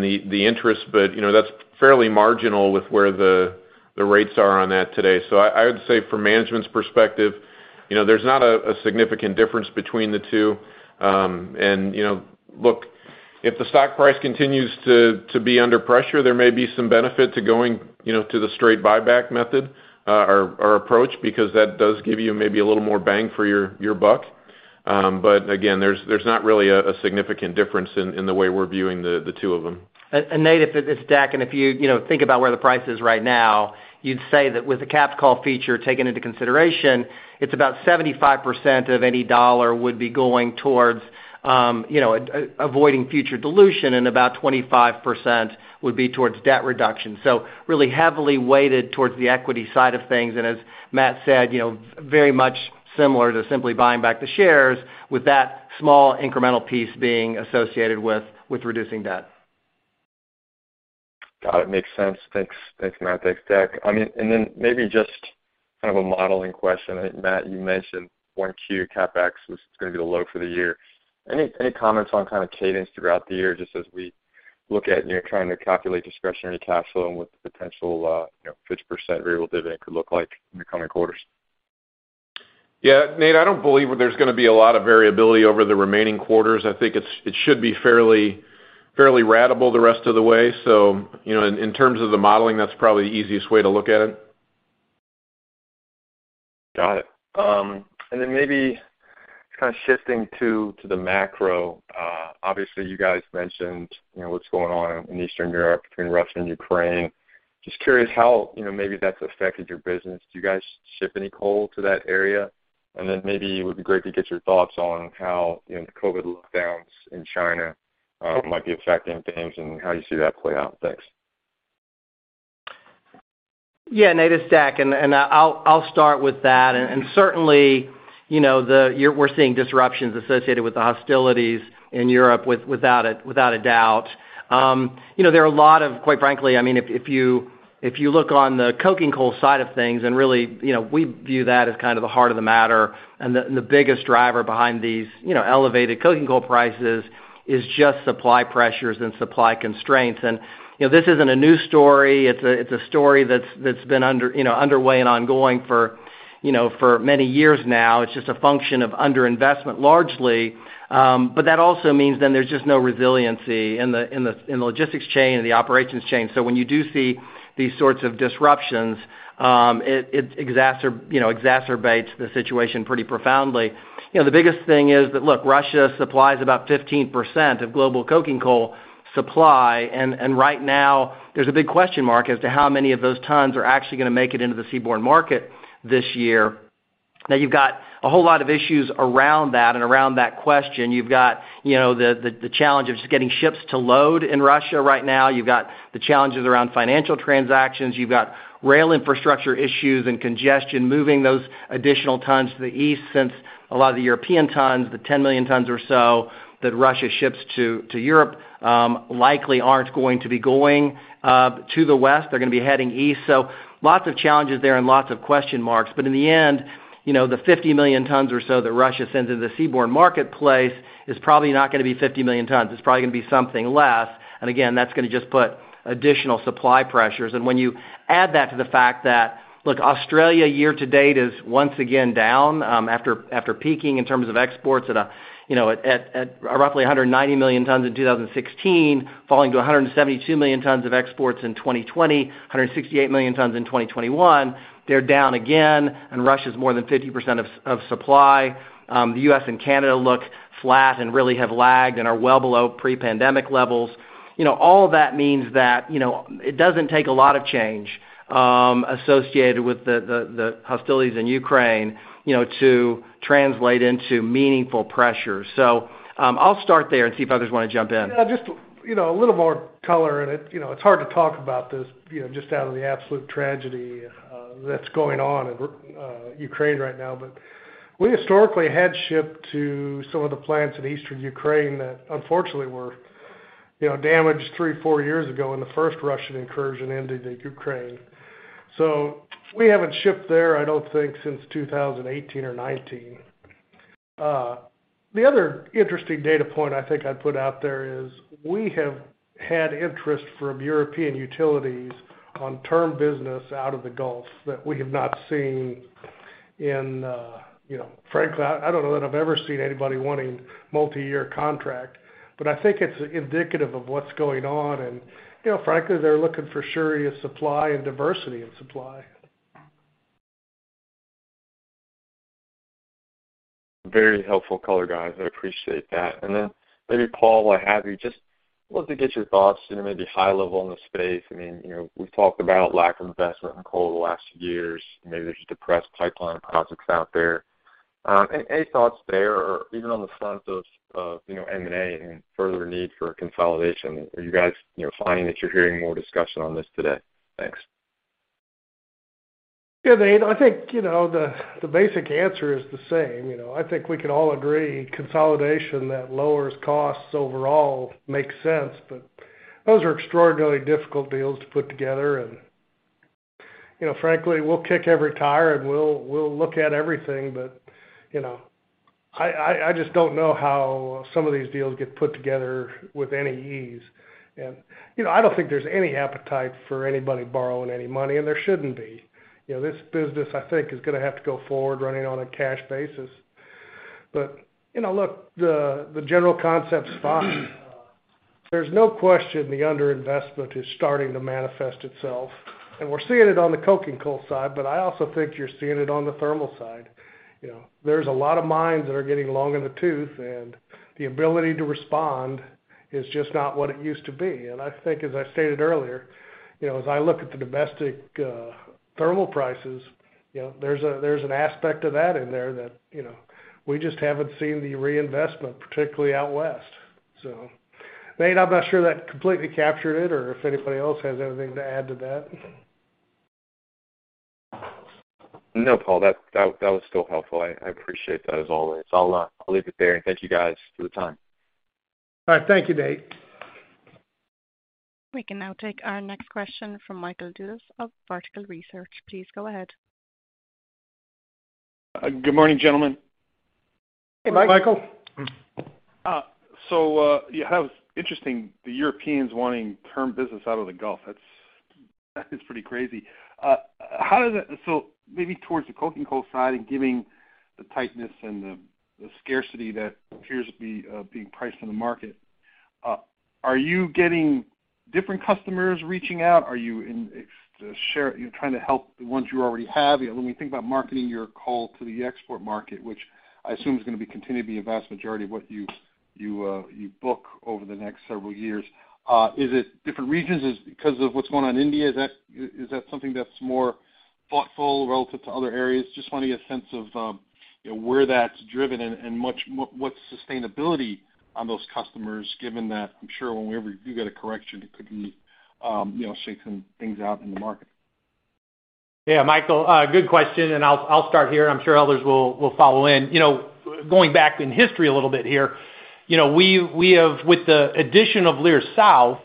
the interest. But you know, that's fairly marginal with where the rates are on that today. I would say from management's perspective, there's not a significant difference between the two. Look, if the stock price continues to be under pressure, there may be some benefit to going to the straight buyback method or approach because that does give you maybe a little more bang for your buck. Again, there's not really a significant difference in the way we're viewing the two of them. Nate, this is Deck. If you know, think about where the price is right now, you'd say that with the capped call feature taken into consideration, it's about 75% of any dollar would be going towards, you know, avoiding future dilution and about 25% would be towards debt reduction. Really heavily weighted towards the equity side of things. As Matt said, you know, very much similar to simply buying back the shares with that small incremental piece being associated with reducing debt. Got it. Makes sense. Thanks. Thanks, Matt. Thanks, Deck. I mean, maybe just kind of a modeling question. Matt, you mentioned 1Q CapEx was gonna be the low for the year. Any comments on kind of cadence throughout the year just as we look at, and you're trying to calculate discretionary cash flow and what the potential, you know, 50% variable dividend could look like in the coming quarters? Yeah, Nate, I don't believe there's gonna be a lot of variability over the remaining quarters. I think it should be fairly ratable the rest of the way. You know, in terms of the modeling, that's probably the easiest way to look at it. Got it. Maybe kind of shifting to the macro. Obviously, you guys mentioned, you know, what's going on in Eastern Europe between Russia and Ukraine. Just curious how, you know, maybe that's affected your business. Do you guys ship any coal to that area? Maybe it would be great to get your thoughts on how, you know, the COVID lockdowns in China might be affecting things and how you see that play out. Thanks. Yeah, Nate, it's Deck. I'll start with that. Certainly, you know, we're seeing disruptions associated with the hostilities in Europe without a doubt. Quite frankly, I mean, if you look on the coking coal side of things, and really, you know, we view that as kind of the heart of the matter. The biggest driver behind these, you know, elevated coking coal prices is just supply pressures and supply constraints. You know, this isn't a new story. It's a story that's been underway and ongoing for many years now. It's just a function of under-investment largely. That also means then there's just no resiliency in the logistics chain and the operations chain. When you do see these sorts of disruptions, it you know exacerbates the situation pretty profoundly. You know, the biggest thing is that, look, Russia supplies about 15% of global coking coal supply. Right now there's a big question mark as to how many of those tons are actually gonna make it into the seaborne market this year. Now you've got a whole lot of issues around that and around that question. You've got, you know, the challenge of just getting ships to load in Russia right now. You've got the challenges around financial transactions. You've got rail infrastructure issues and congestion moving those additional tons to the east, since a lot of the European tons, the 10 million tons or so that Russia ships to Europe, likely aren't going to be going to the west. They're gonna be heading east. Lots of challenges there and lots of question marks. In the end, you know, the 50 million tons or so that Russia sends into the seaborne marketplace is probably not gonna be 50 million tons. It's probably gonna be something less. That's gonna just put additional supply pressures. When you add that to the fact that, look, Australia year to date is once again down, after peaking in terms of exports at roughly 190 million tons in 2016, falling to 172 million tons of exports in 2020, 168 million tons in 2021. They're down again, and Russia's more than 50% of supply. The U.S. and Canada look flat and really have lagged and are well below pre-pandemic levels. You know, all of that means that, you know, it doesn't take a lot of change associated with the hostilities in Ukraine, you know, to translate into meaningful pressure. I'll start there and see if others wanna jump in. Yeah, just, you know, a little more color. It, you know, it's hard to talk about this, you know, just out of the absolute tragedy that's going on in Ukraine right now. We historically had shipped to some of the plants in Eastern Ukraine that unfortunately were, you know, damaged three or four years ago in the first Russian incursion into the Ukraine. We haven't shipped there, I don't think, since 2018 or 2019. The other interesting data point I think I'd put out there is we have had interest from European utilities on term business out of the Gulf that we have not seen in, you know, frankly, I don't know that I've ever seen anybody wanting multiyear contract, but I think it's indicative of what's going on. You know, frankly, they're looking for surer supply and diversity in supply. Very helpful color, guys. I appreciate that. Then maybe, Paul, while I have you, just wanted to get your thoughts, you know, maybe high level in the space. I mean, you know, we've talked about lack of investment in coal the last few years. Maybe there's a depressed pipeline of projects out there. Any thoughts there or even on the front of, you know, M&A and further need for consolidation? Are you guys, you know, finding that you're hearing more discussion on this today? Thanks. Yeah, Nate, I think, you know, the basic answer is the same. You know, I think we can all agree consolidation that lowers costs overall makes sense, but those are extraordinarily difficult deals to put together. You know, frankly, we'll kick every tire, and we'll look at everything. You know, I just don't know how some of these deals get put together with any ease. You know, I don't think there's any appetite for anybody borrowing any money, and there shouldn't be. You know, this business, I think, is gonna have to go forward running on a cash basis. You know, look, the general concept's fine. There's no question the under-investment is starting to manifest itself, and we're seeing it on the coking coal side, but I also think you're seeing it on the thermal side. You know, there's a lot of mines that are getting long in the tooth, and the ability to respond is just not what it used to be. I think as I stated earlier, you know, as I look at the domestic thermal prices, you know, there's an aspect of that in there that, you know, we just haven't seen the reinvestment, particularly out west. Nate, I'm not sure that completely captured it or if anybody else has anything to add to that. No, Paul. That was still helpful. I appreciate that as always. I'll leave it there, and thank you guys for the time. All right. Thank you, Nate. We can now take our next question from Michael Dudas of Vertical Research. Please go ahead. Good morning, gentlemen. Hey, Mike. Michael. It's interesting, the Europeans wanting term business out of the Gulf. That's pretty crazy. Maybe towards the coking coal side and giving the tightness and the scarcity that appears to be being priced in the market. Are you getting different customers reaching out? Are you trying to help the ones you already have? You know, when we think about marketing your coal to the export market, which I assume is gonna continue to be a vast majority of what you book over the next several years, is it different regions? Is it because of what's going on in India? Is that something that's more thoughtful relative to other areas? Just wanna get a sense of, you know, where that's driven and what's sustainability on those customers, given that I'm sure whenever you get a correction, it could, you know, shake things out in the market. Yeah, Michael, good question, and I'll start here. I'm sure others will follow in. You know, going back in history a little bit here, you know, we have, with the addition of Leer South,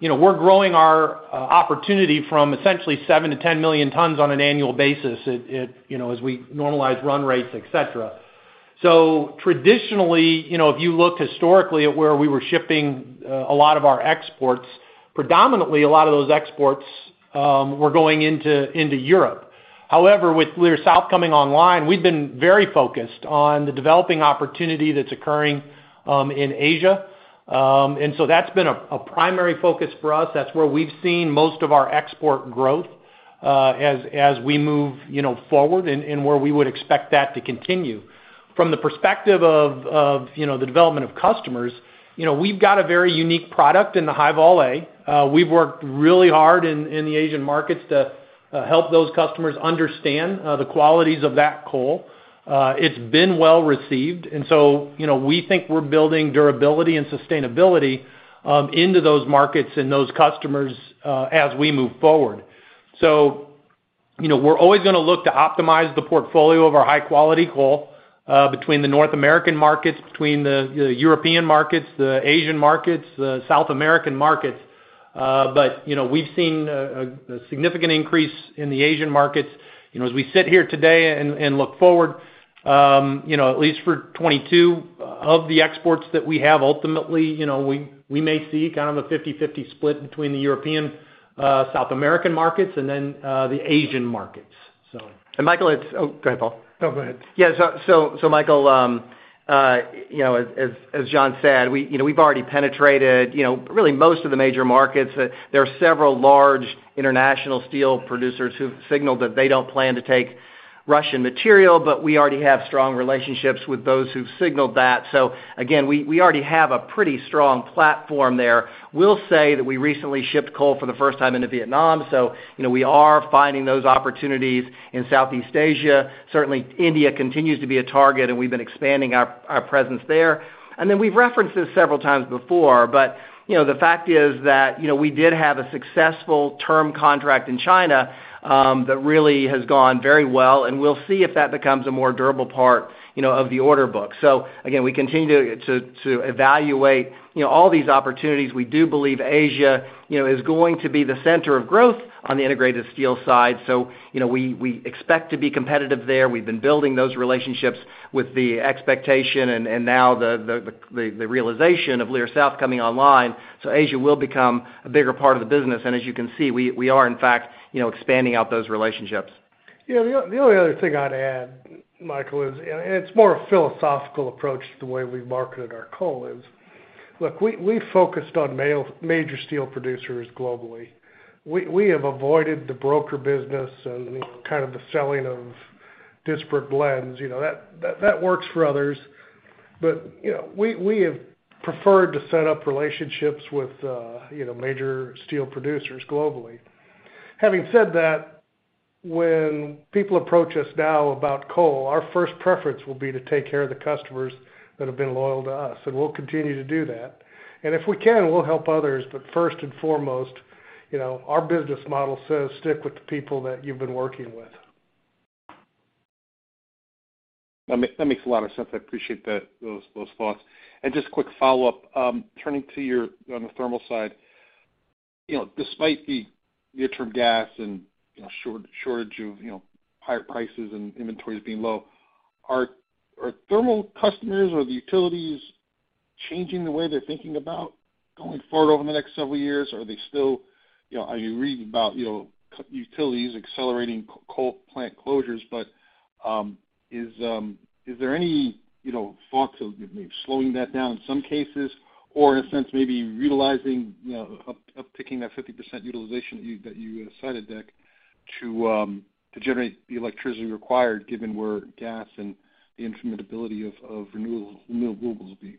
you know, we're growing our opportunity from essentially 7 million-10 million tons on an annual basis at, you know, as we normalize run rates, et cetera. Traditionally, you know, if you look historically at where we were shipping, a lot of our exports, predominantly a lot of those exports, were going into Europe. However, with Leer South coming online, we've been very focused on the developing opportunity that's occurring in Asia. That's been a primary focus for us. That's where we've seen most of our export growth, as we move, you know, forward and where we would expect that to continue. From the perspective of, you know, the development of customers, you know, we've got a very unique product in the High-Vol A. We've worked really hard in the Asian markets to help those customers understand the qualities of that coal. It's been well received. You know, we think we're building durability and sustainability into those markets and those customers as we move forward. You know, we're always gonna look to optimize the portfolio of our high-quality coal between the North American markets, between the European markets, the Asian markets, the South American markets. But, you know, we've seen a significant increase in the Asian markets. You know, as we sit here today and look forward, you know, at least for 2022, of the exports that we have, ultimately, you know, we may see kind of a 50-50 split between the European, South American markets and then the Asian markets, so. Michael. Oh, go ahead, Paul. No, go ahead. Michael, you know, as John said, you know, we've already penetrated, you know, really most of the major markets. There are several large international steel producers who've signaled that they don't plan to take Russian material, but we already have strong relationships with those who've signaled that. Again, we already have a pretty strong platform there. We'll say that we recently shipped coal for the first time into Vietnam, so you know, we are finding those opportunities in Southeast Asia. Certainly, India continues to be a target, and we've been expanding our presence there. We've referenced this several times before, but, you know, the fact is that, you know, we did have a successful term contract in China, that really has gone very well, and we'll see if that becomes a more durable part, you know, of the order book. We continue to evaluate, you know, all these opportunities. We do believe Asia, you know, is going to be the center of growth on the integrated steel side. You know, we expect to be competitive there. We've been building those relationships with the expectation and now the realization of Leer South coming online. Asia will become a bigger part of the business. As you can see, we are in fact, you know, expanding out those relationships. Yeah. The only other thing I'd add, Michael, is, and it's more a philosophical approach to the way we've marketed our coal is, look, we focused on major steel producers globally. We have avoided the broker business and, you know, kind of the selling of disparate blends. You know, that works for others. You know, we have preferred to set up relationships with, you know, major steel producers globally. Having said that, when people approach us now about coal, our first preference will be to take care of the customers that have been loyal to us, and we'll continue to do that. If we can, we'll help others, but first and foremost, you know, our business model says stick with the people that you've been working with. That makes a lot of sense. I appreciate that, those thoughts. Just quick follow-up, turning to your, on the thermal side. You know, despite the near-term gas and, you know, shortage of, you know, higher prices and inventories being low, are thermal customers or the utilities changing the way they're thinking about going forward over the next several years? Or are they still, you know? Are you reading about, you know, utilities accelerating coal plant closures, but, is there any, you know, thoughts of maybe slowing that down in some cases or in a sense maybe uptaking that 50% utilization that you cited, to generate the electricity required given where gas and the intermittent ability of renewables will be?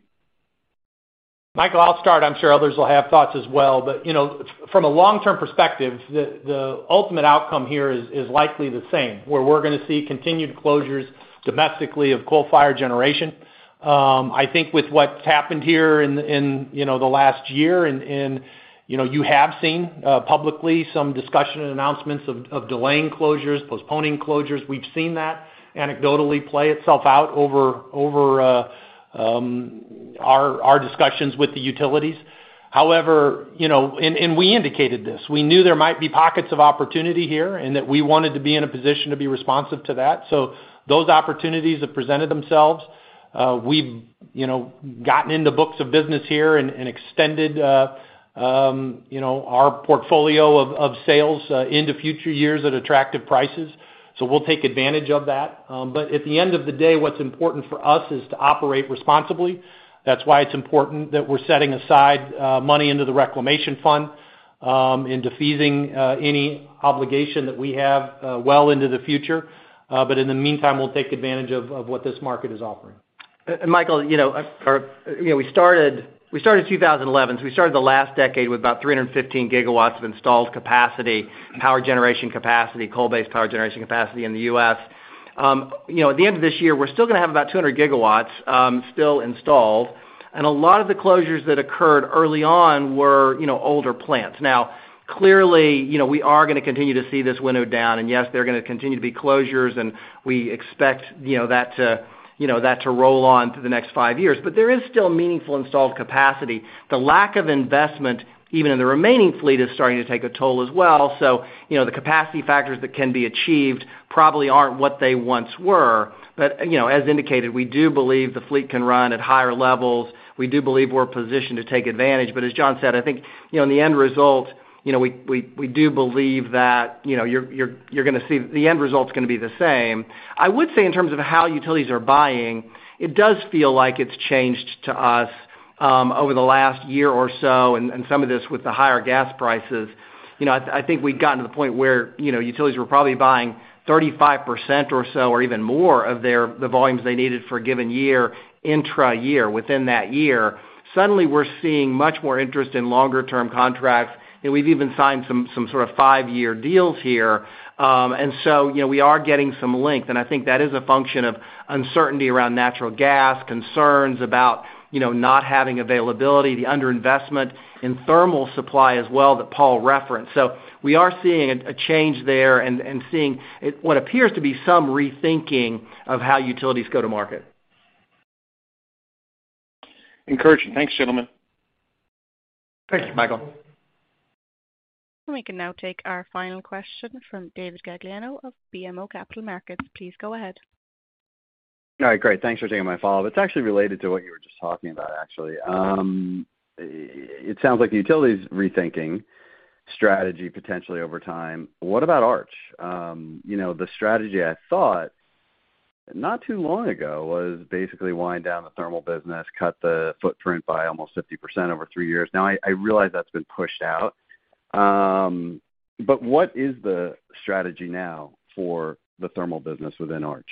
Michael, I'll start. I'm sure others will have thoughts as well. You know, from a long-term perspective, the ultimate outcome here is likely the same, where we're gonna see continued closures domestically of coal-fired generation. I think with what's happened here in you know, the last year and you know, you have seen publicly some discussion and announcements of delaying closures, postponing closures. We've seen that anecdotally play itself out over our discussions with the utilities. However, you know, we indicated this. We knew there might be pockets of opportunity here, and that we wanted to be in a position to be responsive to that. Those opportunities have presented themselves. We've, you know, gotten into books of business here and extended, you know, our portfolio of sales into future years at attractive prices. We'll take advantage of that. At the end of the day, what's important for us is to operate responsibly. That's why it's important that we're setting aside money into the reclamation fund. In diffusing any obligation that we have well into the future. In the meantime, we'll take advantage of what this market is offering. Michael, you know, we started 2011. We started the last decade with about 315 GW of installed capacity, power generation capacity, coal-based power generation capacity in the U.S. You know, at the end of this year, we're still gonna have about 200 GW still installed, and a lot of the closures that occurred early on were, you know, older plants. Now, clearly, you know, we are gonna continue to see this wind down and yes, they're gonna continue to be closures, and we expect, you know, that to roll on for the next five years. There is still meaningful installed capacity. The lack of investment, even in the remaining fleet, is starting to take a toll as well. You know, the capacity factors that can be achieved probably aren't what they once were. You know, as indicated, we do believe the fleet can run at higher levels. We do believe we're positioned to take advantage. As John said, I think, you know, in the end result, you know, we do believe that, you know, you're gonna see the end result is gonna be the same. I would say in terms of how utilities are buying, it does feel like it's changed to us over the last year or so and some of this with the higher gas prices. You know, I think we've gotten to the point where, you know, utilities were probably buying 35% or so or even more of their, the volumes they needed for a given year, intra-year, within that year. Suddenly, we're seeing much more interest in longer term contracts, and we've even signed some sort of five-year deals here. You know, we are getting some length, and I think that is a function of uncertainty around natural gas, concerns about, you know, not having availability, the underinvestment in thermal supply as well that Paul referenced. We are seeing a change there and seeing it what appears to be some rethinking of how utilities go to market. Encouraging. Thanks, gentlemen. Thanks, Michael. We can now take our final question from David Gagliano of BMO Capital Markets. Please go ahead. All right, great. Thanks for taking my follow-up. It's actually related to what you were just talking about, actually. It sounds like the utility's rethinking strategy potentially over time. What about Arch? You know, the strategy I thought not too long ago was basically wind down the thermal business, cut the footprint by almost 50% over three years. Now, I realize that's been pushed out. But what is the strategy now for the thermal business within Arch?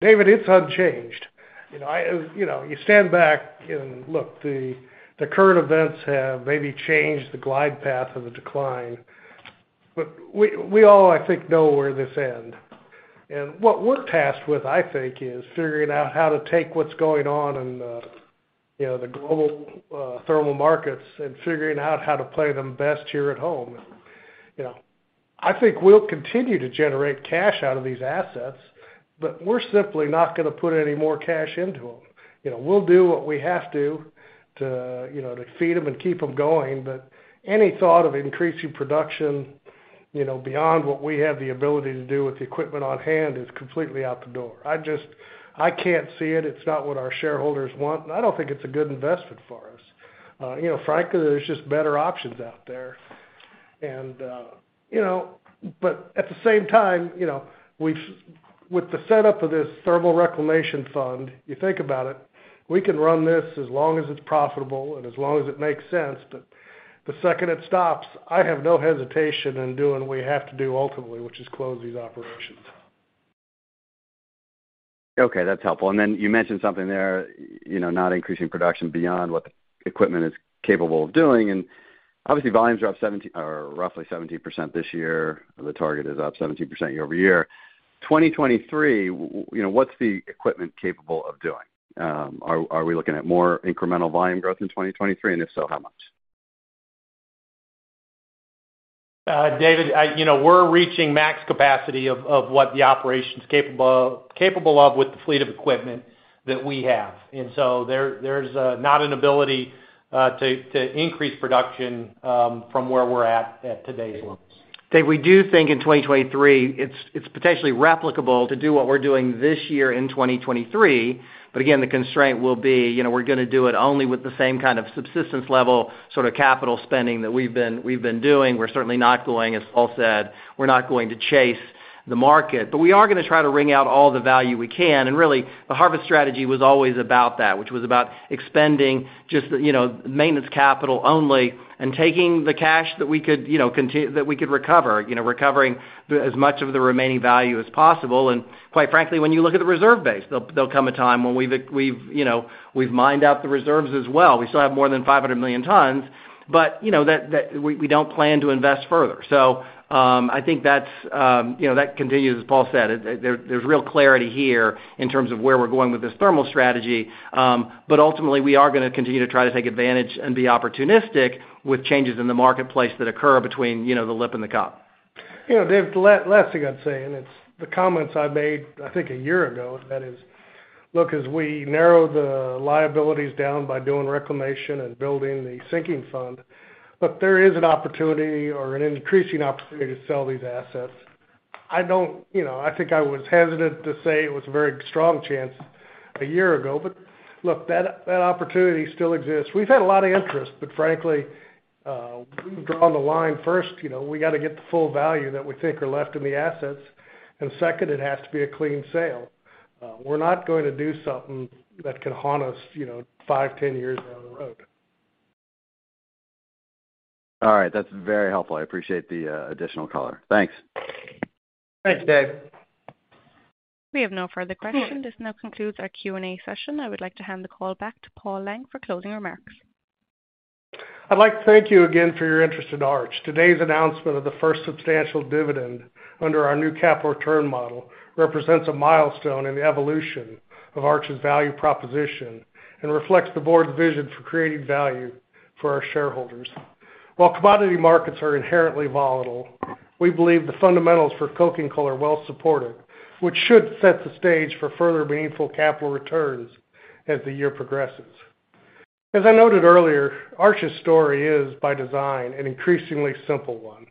David, it's unchanged. You know, I you know, you stand back and look, the current events have maybe changed the glide path of the decline. We all, I think, know where this end. What we're tasked with, I think, is figuring out how to take what's going on in the you know, the global thermal markets and figuring out how to play them best here at home. You know, I think we'll continue to generate cash out of these assets, but we're simply not gonna put any more cash into them. You know, we'll do what we have to to you know, to feed them and keep them going. Any thought of increasing production, you know, beyond what we have the ability to do with the equipment on hand is completely out the door. I just can't see it. It's not what our shareholders want, and I don't think it's a good investment for us. You know, frankly, there's just better options out there. You know, but at the same time, you know, with the setup of this thermal reclamation fund, you think about it, we can run this as long as it's profitable and as long as it makes sense. The second it stops, I have no hesitation in doing what we have to do ultimately, which is closing these operations. Okay, that's helpful. Then you mentioned something there, you know, not increasing production beyond what the equipment is capable of doing. Obviously, volumes are up 17% or roughly 17% this year. The target is up 17% year-over-year. 2023, you know, what's the equipment capable of doing? Are we looking at more incremental volume growth in 2023? If so, how much? David, you know, we're reaching max capacity of what the operation's capable of with the fleet of equipment that we have. There's not an ability to increase production from where we're at today's levels. Dave, we do think in 2023, it's potentially replicable to do what we're doing this year in 2023. Again, the constraint will be, you know, we're gonna do it only with the same kind of subsistence level, sort of capital spending that we've been doing. We're certainly not going, as Paul said, we're not going to chase the market. We are gonna try to wring out all the value we can. Really, the harvest strategy was always about that, which was about expending just, you know, maintenance capital only and taking the cash that we could, you know, that we could recover, you know, recovering as much of the remaining value as possible. Quite frankly, when you look at the reserve base, there'll come a time when we've, you know, we've mined out the reserves as well. We still have more than 500 million tons, but we don't plan to invest further. I think that continues, as Paul said. There's real clarity here in terms of where we're going with this thermal strategy. Ultimately, we are gonna continue to try to take advantage and be opportunistic with changes in the marketplace that occur between the lip and the cup. You know, David, the last thing I'd say, and it's the comments I made, I think a year ago, that is, look, as we narrow the liabilities down by doing reclamation and building the sinking fund. Look, there is an opportunity or an increasing opportunity to sell these assets. I don't. You know, I think I was hesitant to say it was a very strong chance a year ago. Look, that opportunity still exists. We've had a lot of interest, but frankly, we've drawn the line first. You know, we got to get the full value that we think are left in the assets. And second, it has to be a clean sale. We're not going to do something that can haunt us, you know, 5 years, 10 years down the road. All right. That's very helpful. I appreciate the additional color. Thanks. Thanks, Dave. We have no further questions. This now concludes our Q&A session. I would like to hand the call back to Paul Lang for closing remarks. I'd like to thank you again for your interest in Arch. Today's announcement of the first substantial dividend under our new capital return model represents a milestone in the evolution of Arch's value proposition and reflects the Board's vision for creating value for our shareholders. While commodity markets are inherently volatile, we believe the fundamentals for coking coal are well supported, which should set the stage for further meaningful capital returns as the year progresses. As I noted earlier, Arch's story is by design, an increasingly simple one.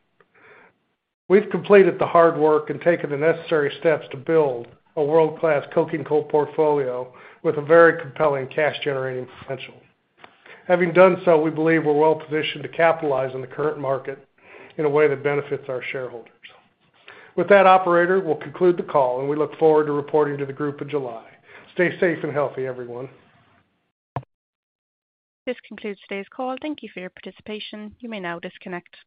We've completed the hard work and taken the necessary steps to build a world-class coking coal portfolio with a very compelling cash-generating potential. Having done so, we believe we're well-positioned to capitalize on the current market in a way that benefits our shareholders. With that, operator, we'll conclude the call, and we look forward to reporting to the group in July. Stay safe and healthy, everyone. This concludes today's call. Thank you for your participation. You may now disconnect.